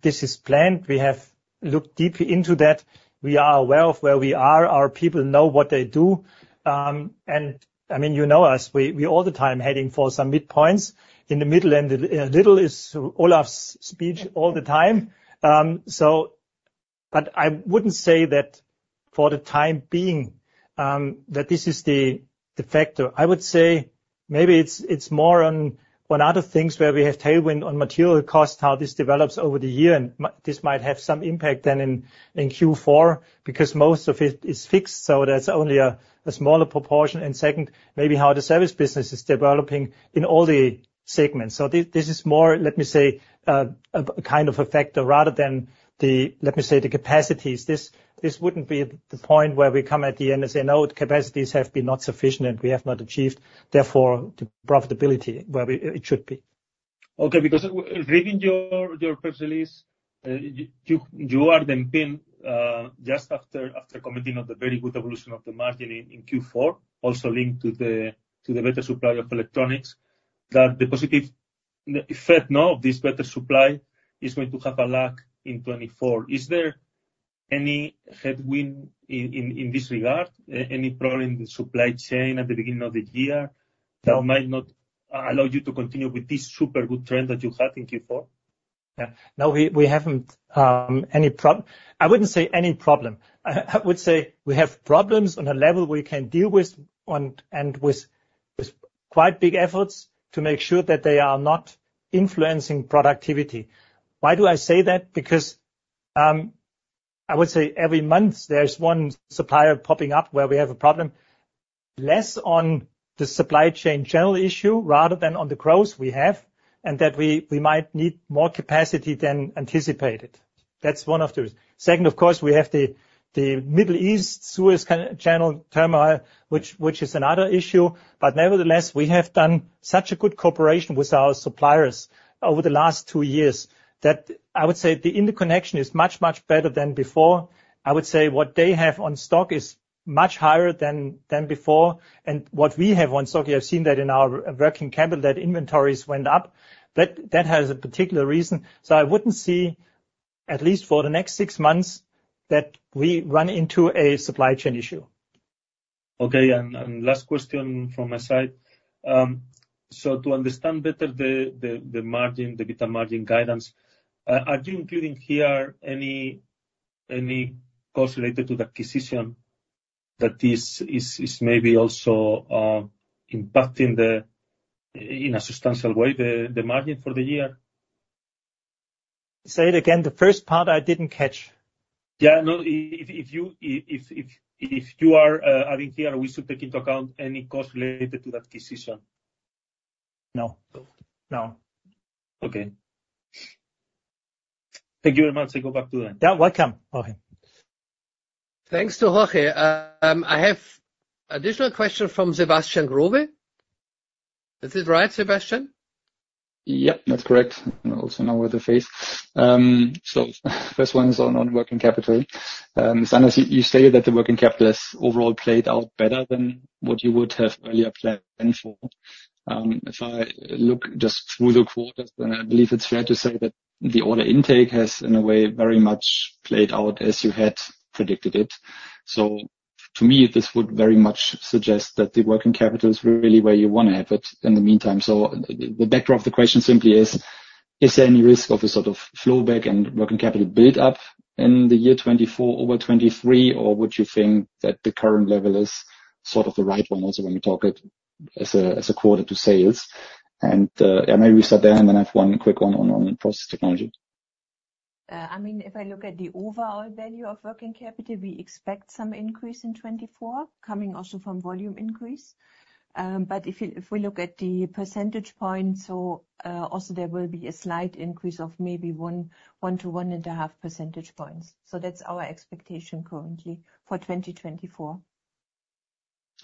this is planned. We have looked deeply into that. We are aware of where we are. Our people know what they do. And I mean, you know us, we all the time heading for some midpoints. In the middle and little is Olaf's speech all the time. So but I wouldn't say that for the time being that this is the factor. I would say maybe it's more on other things where we have tailwind on material costs, how this develops over the year, and this might have some impact then in Q4, because most of it is fixed, so there's only a smaller proportion. And second, maybe how the service business is developing in all the segments. So this is more, let me say, a kind of a factor, rather than the, let me say, the capacities. This wouldn't be the point where we come at the end and say, "No, the capacities have been not sufficient, and we have not achieved, therefore, the profitability where we, it should be. Okay, because reading your press release, you are then being just after commenting on the very good evolution of the margin in Q4, also linked to the better supply of electronics, that the positive effect now of this better supply is going to have a lag in 2024. Is there any headwind in this regard, any problem in the supply chain at the beginning of the year that might not allow you to continue with this super good trend that you had in Q4? Yeah. No, we haven't any problem. I wouldn't say any problem. I would say we have problems on a level we can deal with on and with quite big efforts to make sure that they are not influencing productivity. Why do I say that? Because I would say every month there's one supplier popping up where we have a problem, less on the supply chain general issue rather than on the growth we have, and that we might need more capacity than anticipated. That's one of those. Second, of course, we have the Middle East, Suez Canal turmoil, which is another issue. But nevertheless, we have done such a good cooperation with our suppliers over the last two years, that I would say the interconnection is much, much better than before. I would say what they have on stock is much higher than before, and what we have on stock, you have seen that in our working capital, that inventories went up. That has a particular reason. So I wouldn't see, at least for the next six months, that we run into a supply chain issue. Okay, and last question from my side. So to understand better the margin, the EBIT margin guidance, are you including here any costs related to the acquisition that is maybe also impacting the margin in a substantial way for the year? Say it again, the first part I didn't catch. Yeah, no, if you are adding here, we should take into account any cost related to that decision. No. No. No. Okay. Thank you very much. I go back to them. Yeah, welcome, Jorge. Thanks to Jorge. I have additional question from Sebastian Growe. Is this right, Sebastian? Yep, that's correct. I also know where to face. So first one is on working capital. Sven, as you say that the working capital has overall played out better than what you would have earlier planned for. If I look just through the quarters, then I believe it's fair to say that the order intake has, in a way, very much played out as you had predicted it. So to me, this would very much suggest that the working capital is really where you want to have it in the meantime. So the backdrop of the question simply is: Is there any risk of a sort of flowback and working capital build-up in the year 2024 over 2023, or would you think that the current level is sort of the right one also when we talk it as a quarter to sales? Yeah, maybe Susanne, and then I have one quick one on process technology. I mean, if I look at the overall value of Working Capital, we expect some increase in 2024, coming also from volume increase. But if you, if we look at the percentage points, so, also there will be a slight increase of maybe 1-1.5 percentage points. So that's our expectation currently for 2024.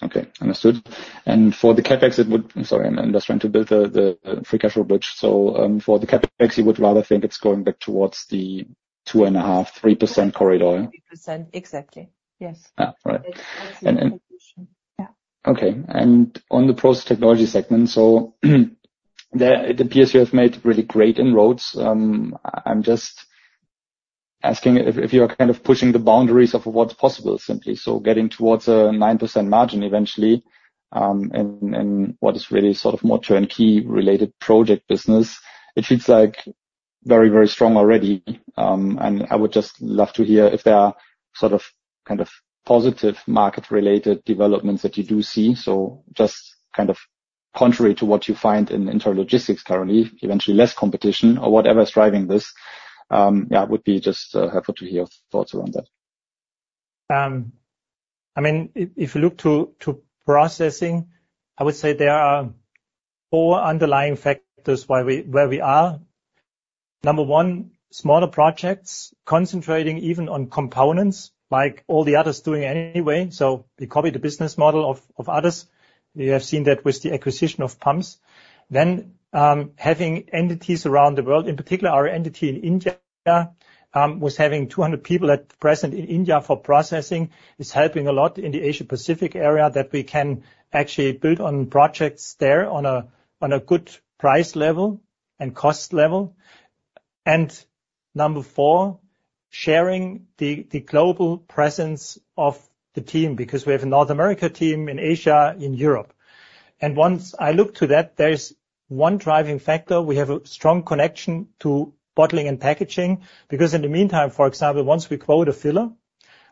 Okay, understood. And for the CapEx, it would, I'm sorry, I'm just trying to build the, the free cash flow bridge. So, for the CapEx, you would rather think it's going back towards the 2.5%-3% corridor? 3%, exactly. Yes. Ah, right. Yeah. Okay, and on the process technology segment, it appears you have made really great inroads. I'm just asking if you are kind of pushing the boundaries of what's possible, simply. So getting towards a 9% margin eventually, and what is really sort of more turnkey related project business, it feels like very, very strong already. And I would just love to hear if there are sort of, kind of, positive market-related developments that you do see. So just kind of contrary to what you find in intralogistics currently, eventually less competition or whatever is driving this. Yeah, it would be just helpful to hear your thoughts around that. I mean, if you look to processing, I would say there are four underlying factors why we, where we are. Number one, smaller projects concentrating even on components, like all the others doing anyway. So we copy the business model of others. We have seen that with the acquisition of pumps. Then, having entities around the world, in particular, our entity in India, was having 200 people at present in India for processing, is helping a lot in the Asia Pacific area, that we can actually build on projects there on a good price level and cost level. And number four, sharing the global presence of the team, because we have a North America team, in Asia, in Europe. And once I look to that, there's one driving factor, we have a strong connection to bottling and packaging. Because in the meantime, for example, once we quote a filler,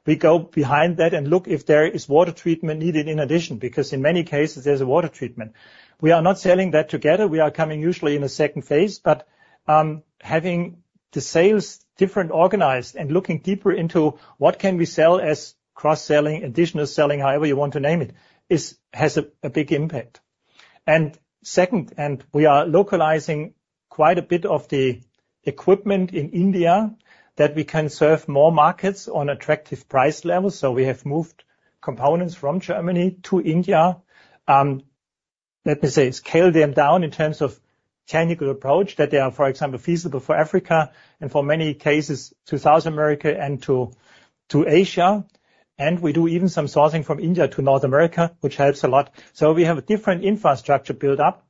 we go behind that and look if there is water treatment needed in addition, because in many cases, there's a water treatment. We are not selling that together. We are coming usually in a second phase, but having the sales different, organized, and looking deeper into what can we sell as cross-selling, additional selling, however you want to name it, is has a big impact. Second, we are localizing quite a bit of the equipment in India, that we can serve more markets on attractive price levels. So we have moved components from Germany to India. Let me say, scale them down in terms of technical approach, that they are, for example, feasible for Africa and for many cases, to South America and to Asia. And we do even some sourcing from India to North America, which helps a lot. So we have a different infrastructure build up.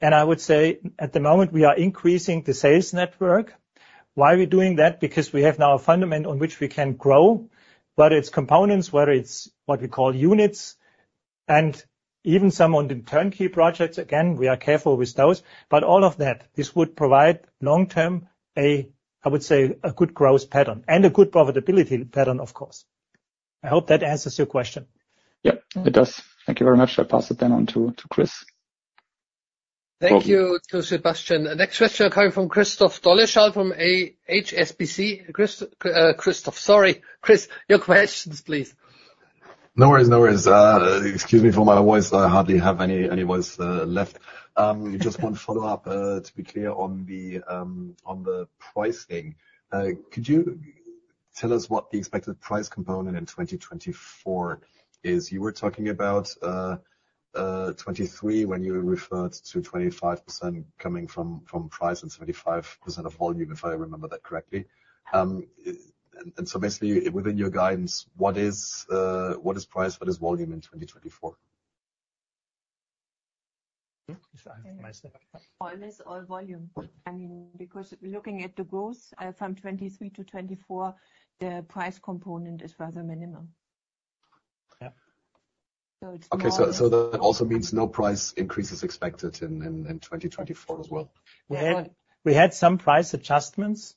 And I would say, at the moment, we are increasing the sales network. Why are we doing that? Because we have now a fundament on which we can grow, whether it's components, whether it's what we call units, and even some on the turnkey projects, again, we are careful with those. But all of that, this would provide long-term, a, I would say, a good growth pattern and a good profitability pattern, of course. I hope that answers your question. Yep, it does. Thank you very much. I'll pass it then on to Chris. Thank you to Sebastian. The next question coming from Christoph Dolleschal from HSBC. Chris, Christoph, sorry. Chris, your questions, please. No worries, no worries. Excuse me for my voice. I hardly have any, any voice left. Just one follow-up, to be clear on the, on the pricing. Could you tell us what the expected price component in 2024 is? You were talking about, twenty-three, when you referred to 25% coming from, from price and 25% of volume, if I remember that correctly. And, and so basically, within your guidance, what is, what is price, what is volume in 2024? Hmm, am I still- All is all volume. I mean, because looking at the growth from 2023 to 2024, the price component is rather minimal. Yeah. So it's more- Okay, so that also means no price increase is expected in 2024 as well? We had some price adjustments,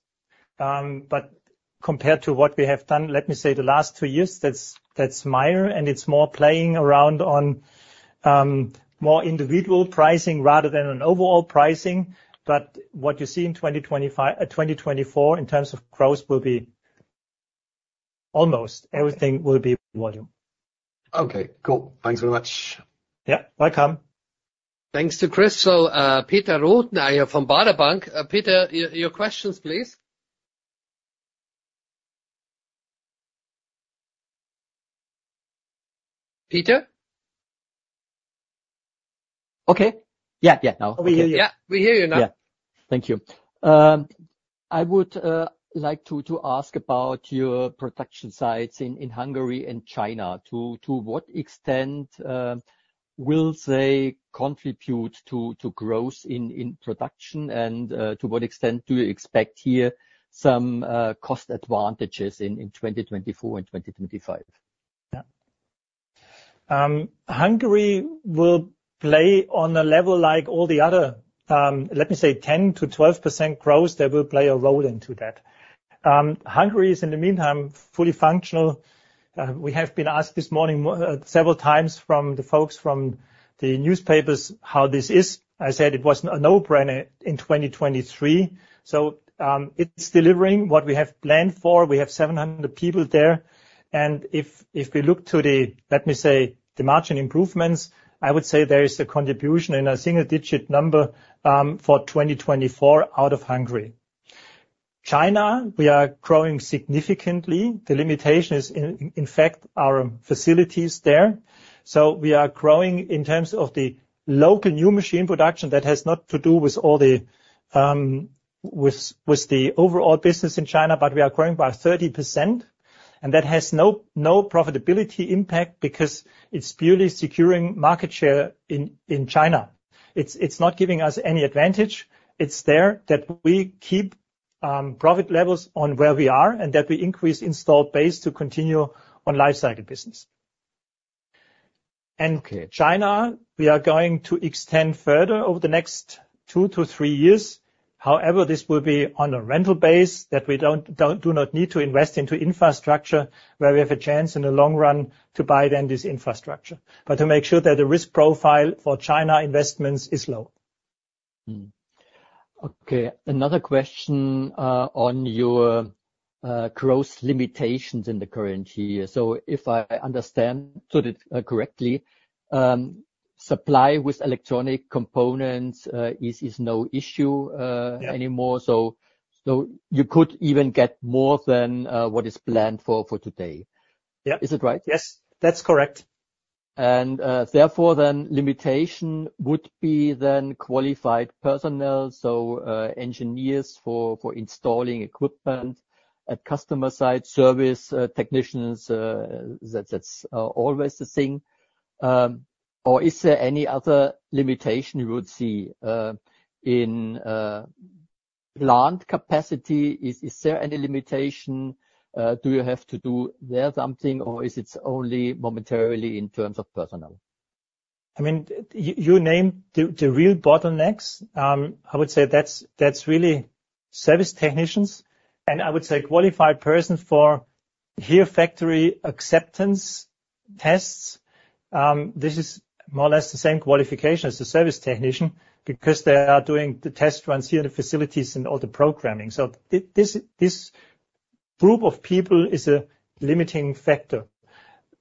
but compared to what we have done, let me say, the last two years, that's minor, and it's more playing around on more individual pricing rather than an overall pricing. But what you see in 2025, 2024, in terms of growth, will be almost everything will be volume. Okay, cool. Thanks very much. Yeah, welcome. Thanks to Chris. So, Peter Rothenaicher from Baader Bank. Peter, your questions, please. Peter? Okay. Yeah, yeah, now. We hear you. Yeah, we hear you now. Yeah. Thank you. I would like to ask about your production sites in Hungary and China. To what extent will they contribute to growth in production? And to what extent do you expect here some cost advantages in 2024 and 2025? Yeah. Hungary will play on a level like all the other, let me say, 10%-12% growth, they will play a role into that. Hungary is, in the meantime, fully functional. We have been asked this morning several times from the folks from the newspapers, how this is. I said it was a no-brainer in 2023. So, it's delivering what we have planned for. We have 700 people there, and if we look to the, let me say, the margin improvements, I would say there is a contribution in a single-digit number for 2024 out of Hungary. China, we are growing significantly. The limitation is, in fact, our facilities there. So we are growing in terms of the local new machine production that has not to do with all the, with the overall business in China, but we are growing by 30%, and that has no profitability impact because it's purely securing market share in China. It's not giving us any advantage. It's there that we keep profit levels on where we are, and that we increase installed base to continue on life cycle business. And China, we are going to extend further over the next 2 years-3 years. However, this will be on a rental base that we do not need to invest into infrastructure, where we have a chance in the long run to buy then this infrastructure. But to make sure that the risk profile for China investments is low. Hmm. Okay, another question on your growth limitations in the current year. So if I understand sort of correctly, supply with electronic components is no issue. Yeah... anymore, so you could even get more than what is planned for today? Yeah. Is that right? Yes, that's correct. Therefore, the limitation would be qualified personnel, so engineers for installing equipment at customer site, service technicians, that's always the thing. Or is there any other limitation you would see in plant capacity? Is there any limitation, do you have to do something there, or is it only momentarily in terms of personnel? I mean, you named the real bottlenecks. I would say that's really service technicians, and I would say qualified person for here factory acceptance tests. This is more or less the same qualification as the service technician, because they are doing the test runs here in the facilities and all the programming. So this group of people is a limiting factor.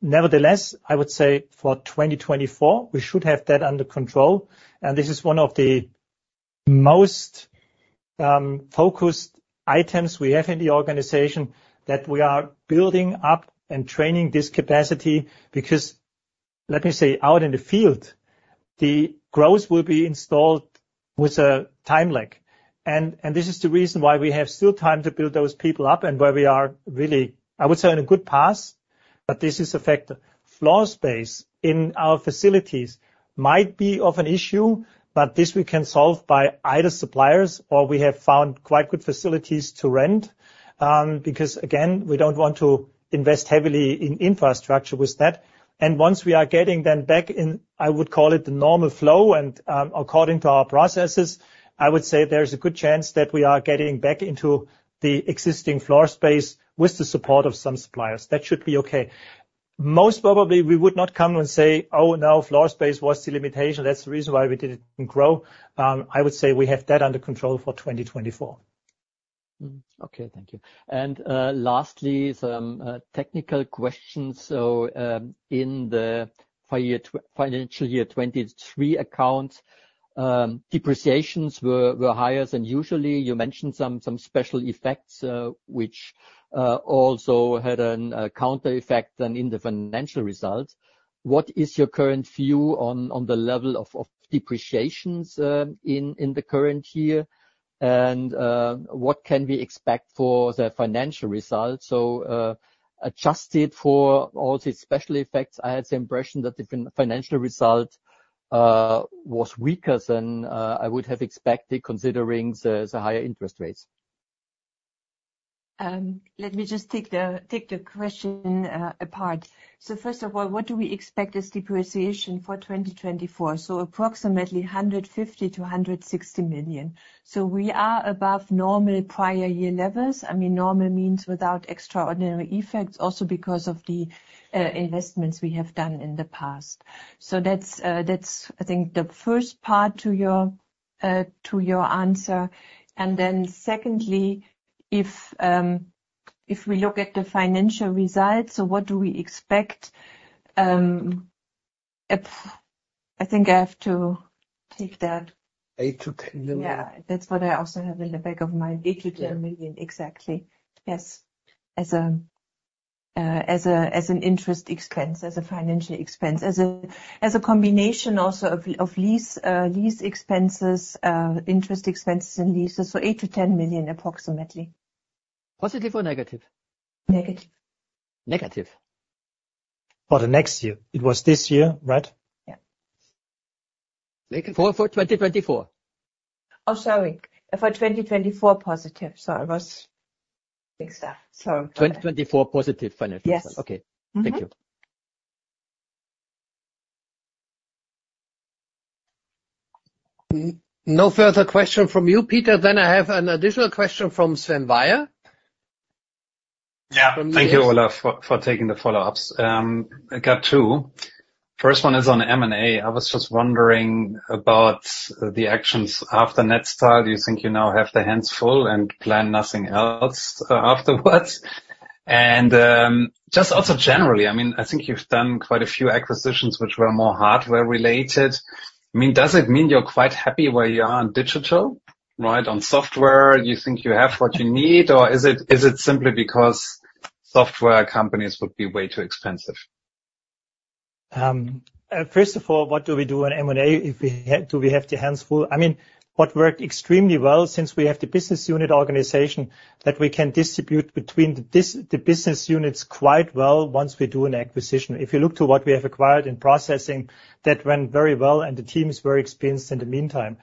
Nevertheless, I would say for 2024, we should have that under control, and this is one of the most focused items we have in the organization, that we are building up and training this capacity. Because, let me say, out in the field, the growth will be installed with a time lag. And this is the reason why we have still time to build those people up and where we are really, I would say, on a good path, but this is a factor. Floor space in our facilities might be of an issue, but this we can solve by either suppliers or we have found quite good facilities to rent, because, again, we don't want to invest heavily in infrastructure with that. And once we are getting them back in, I would call it the normal flow, and, according to our processes, I would say there's a good chance that we are getting back into the existing floor space with the support of some suppliers. That should be okay. Most probably, we would not come and say, "Oh, no, floor space was the limitation. That's the reason why we didn't grow. I would say we have that under control for 2024. Hmm, okay. Thank you. And, lastly, some technical questions. So, in the FY year, financial year 2023 accounts, depreciations were higher than usual. You mentioned some special effects, which also had a counter effect on the financial results. What is your current view on the level of depreciations in the current year? And what can we expect for the financial results? So, adjusted for all the special effects, I had the impression that the financial result was weaker than I would have expected, considering the higher interest rates. Let me just take the, take the question apart. So, first of all, what do we expect as depreciation for 2024? So approximately 150 million-160 million. So we are above normal prior year levels. I mean, normal means without extraordinary effects, also because of the investments we have done in the past. So that's, that's I think the first part to your, to your answer. And then secondly, if we look at the financial results, so what do we expect? I think I have to take that- 8 million-10 million. Yeah. That's what I also have in the back of my mind. Yeah. 8 million-10 million. Exactly. Yes. As a, as a, as an interest expense, as a financial expense, as a, as a combination also of, of lease, lease expenses, interest expenses and leases. So 8 million-10 million, approximately. Positive or negative? Negative. Negative? For the next year. It was this year, right? Yeah. Like for 2024? Oh, sorry, for 2024, positive. Sorry, I was mixed up. Sorry. 2024, positive financial- Yes. Okay. Mm-hmm. Thank you. No further question from you, Peter? Then I have an additional question from Sven Weier. Yeah. Thank you, Olaf, for taking the follow-ups. I got two. First one is on M&A. I was just wondering about the actions after Netstal. Do you think you now have your hands full and plan nothing else afterwards? And just also generally, I mean, I think you've done quite a few acquisitions which were more hardware-related. I mean, does it mean you're quite happy where you are on digital, right? On software, you think you have what you need, or is it simply because software companies would be way too expensive? First of all, what do we do on M&A if we have, do we have the hands full? I mean, what worked extremely well, since we have the business unit organization, that we can distribute between the business units quite well once we do an acquisition. If you look to what we have acquired in processing, that went very well, and the team is very experienced in the meantime.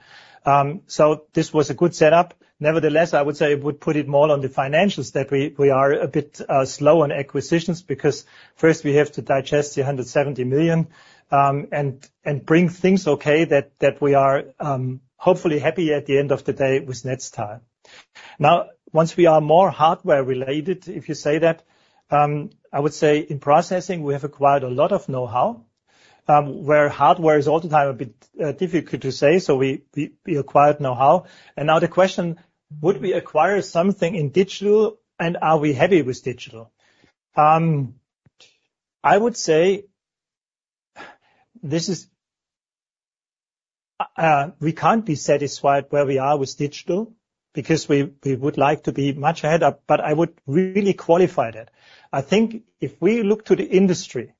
So this was a good setup. Nevertheless, I would say it would put it more on the financials that we are a bit slow on acquisitions, because first, we have to digest the 170 million and bring things okay that we are hopefully happy at the end of the day with next time. Now, once we are more hardware-related, if you say that, I would say in processing, we have acquired a lot of know-how, where hardware is all the time a bit difficult to say, so we acquired know-how. And now the question: would we acquire something in digital, and are we heavy with digital? I would say, this is, we can't be satisfied where we are with digital, because we would like to be much ahead up, but I would really qualify that. I think if we look to the industry,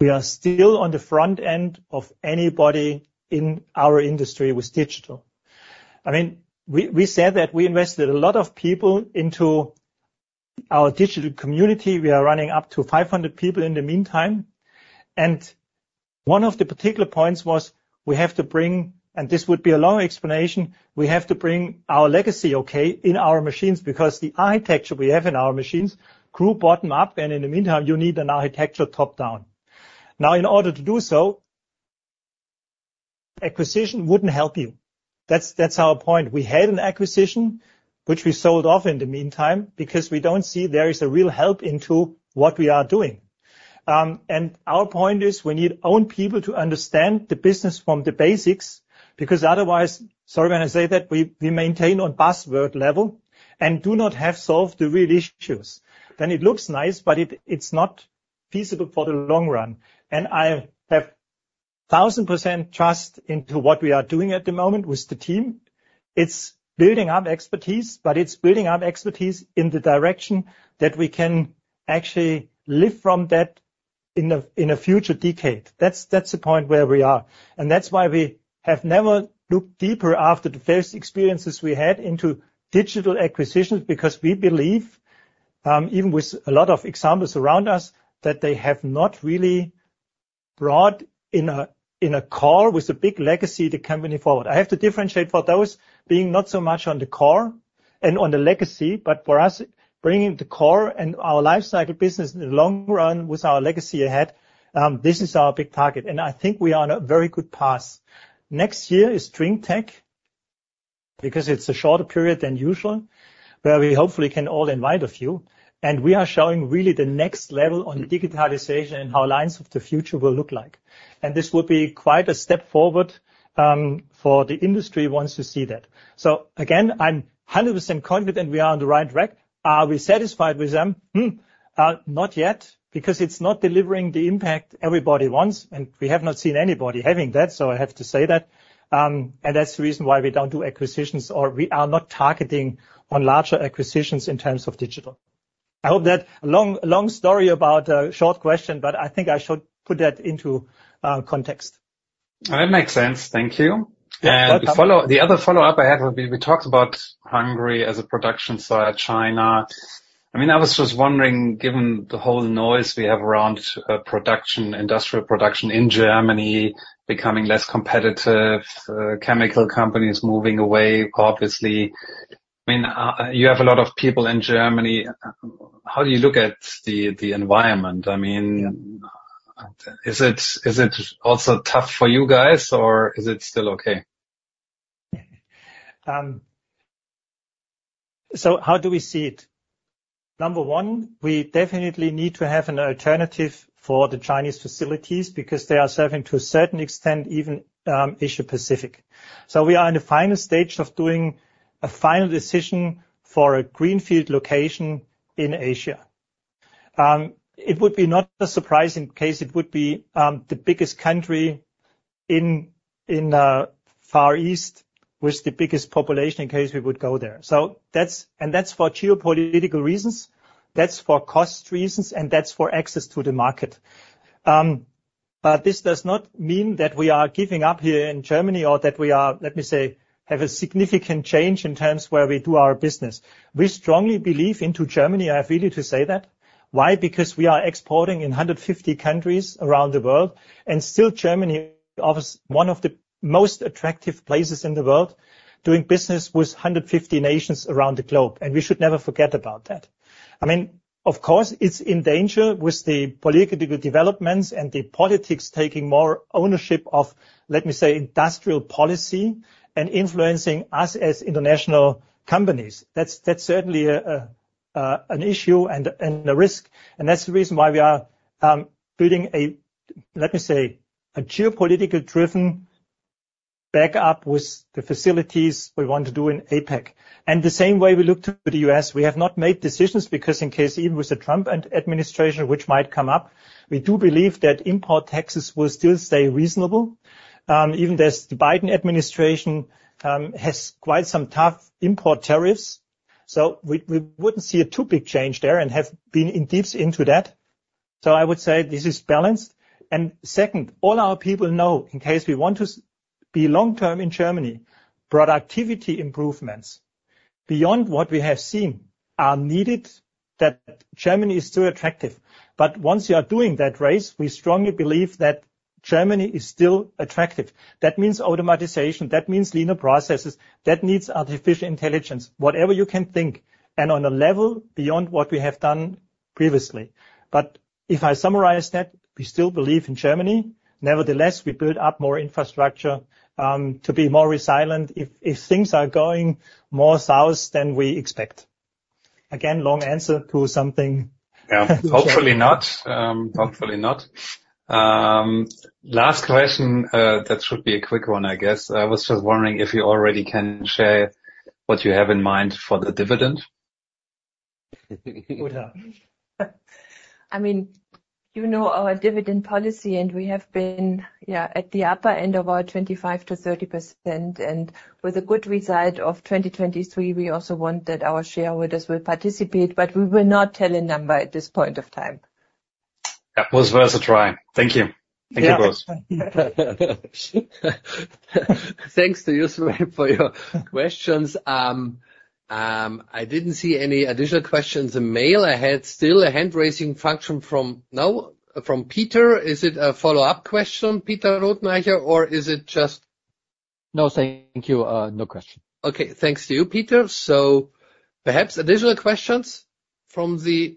we are still on the front end of anybody in our industry with digital. I mean, we said that we invested a lot of people into our digital community. We are running up to 500 people in the meantime. One of the particular points was we have to bring, and this would be a long explanation, we have to bring our legacy, okay, in our machines, because the architecture we have in our machines grew bottom up, and in the meantime, you need an architecture top-down. Now, in order to do so, acquisition wouldn't help you. That's, that's our point. We had an acquisition, which we sold off in the meantime, because we don't see there is a real help into what we are doing. And our point is, we need own people to understand the business from the basics, because otherwise, sorry when I say that, we maintain on password level and do not have solved the real issues. Then it looks nice, but it, it's not feasible for the long run. I have 1000% trust into what we are doing at the moment with the team. It's building up expertise, but it's building up expertise in the direction that we can actually live from that in a future decade. That's the point where we are. And that's why we have never looked deeper after the first experiences we had into digital acquisitions, because we believe, even with a lot of examples around us, that they have not really brought in a core with a big legacy the company forward. I have to differentiate for those being not so much on the core and on the legacy, but for us, bringing the core and our life cycle business in the long run with our legacy ahead. This is our big target, and I think we are on a very good path. Next year is Drinktec, because it's a shorter period than usual, where we hopefully can all invite a few, and we are showing really the next level on digitalization and how lines of the future will look like. This will be quite a step forward for the industry once you see that. So again, I'm 100% confident we are on the right track. Are we satisfied with them? Not yet, because it's not delivering the impact everybody wants, and we have not seen anybody having that, so I have to say that. And that's the reason why we don't do acquisitions, or we are not targeting on larger acquisitions in terms of digital. I hope that long, long story about a short question, but I think I should put that into context. That makes sense. Thank you. Yeah, welcome. The other follow-up I have will be, we talked about Hungary as a production site, China. I mean, I was just wondering, given the whole noise we have around production, industrial production in Germany becoming less competitive, chemical companies moving away, obviously. I mean, you have a lot of people in Germany. How do you look at the environment? I mean, is it also tough for you guys, or is it still okay? So how do we see it? Number one, we definitely need to have an alternative for the Chinese facilities because they are serving to a certain extent, even, Asia-Pacific. So we are in the final stage of doing a final decision for a greenfield location in Asia. It would be not a surprising case. It would be the biggest country in Far East, with the biggest population in case we would go there. So that's, and that's for geopolitical reasons, that's for cost reasons, and that's for access to the market. But this does not mean that we are giving up here in Germany or that we are, let me say, have a significant change in terms where we do our business. We strongly believe into Germany, I have really to say that. Why? Because we are exporting in 150 countries around the world, and still Germany offers one of the most attractive places in the world doing business with 150 nations around the globe, and we should never forget about that. I mean, of course, it's in danger with the political developments and the politics taking more ownership of, let me say, industrial policy and influencing us as international companies. That's certainly an issue and a risk, and that's the reason why we are building a, let me say, a geopolitical-driven backup with the facilities we want to do in APAC. And the same way we look to the US, we have not made decisions, because in case even with the Trump administration, which might come up, we do believe that import taxes will still stay reasonable. Even as the Biden administration has quite some tough import tariffs. So we wouldn't see a too big change there and have been deep into that. So I would say this is balanced. And second, all our people know, in case we want to be long-term in Germany, productivity improvements beyond what we have seen are needed, that Germany is still attractive. But once you are doing that race, we strongly believe that Germany is still attractive. That means automation, that means leaner processes, that needs artificial intelligence, whatever you can think, and on a level beyond what we have done previously. But if I summarize that, we still believe in Germany. Nevertheless, we build up more infrastructure to be more resilient if things are going more south than we expect. Again, long answer to something. Yeah, hopefully not. Hopefully not. Last question, that should be a quick one, I guess. I was just wondering if you already can share what you have in mind for the dividend? I mean, you know our dividend policy, and we have been, yeah, at the upper end of our 25%-30%, and with a good result of 2023, we also want that our shareholders will participate, but we will not tell a number at this point of time. That was worth a try. Thank you. Thank you, both. Thanks to you, sir, for your questions. I didn't see any additional questions in mail. I had still a hand-raising function from... No? From Peter. Is it a follow-up question, Peter Rothenaicher, or is it just- No, thank you. No question. Okay, thanks to you, Peter. So perhaps additional questions from the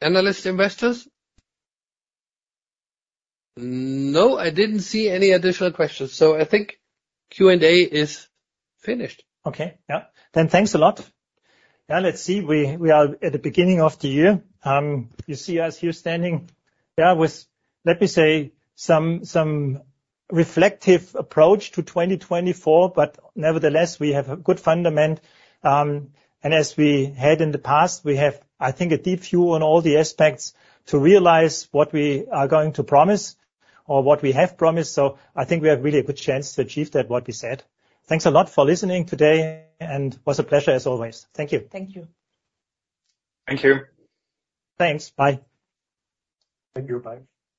analyst investors? No, I didn't see any additional questions, so I think Q&A is finished. Okay, yeah. Then thanks a lot. Now, let's see, we are at the beginning of the year. You see us here standing, yeah, with, let me say, some reflective approach to 2024, but nevertheless, we have a good fundament. And as we had in the past, we have, I think, a deep view on all the aspects to realize what we are going to promise or what we have promised. So I think we have really a good chance to achieve that what we said. Thanks a lot for listening today, and was a pleasure, as always. Thank you. Thank you. Thank you. Thanks. Bye. Thank you. Bye.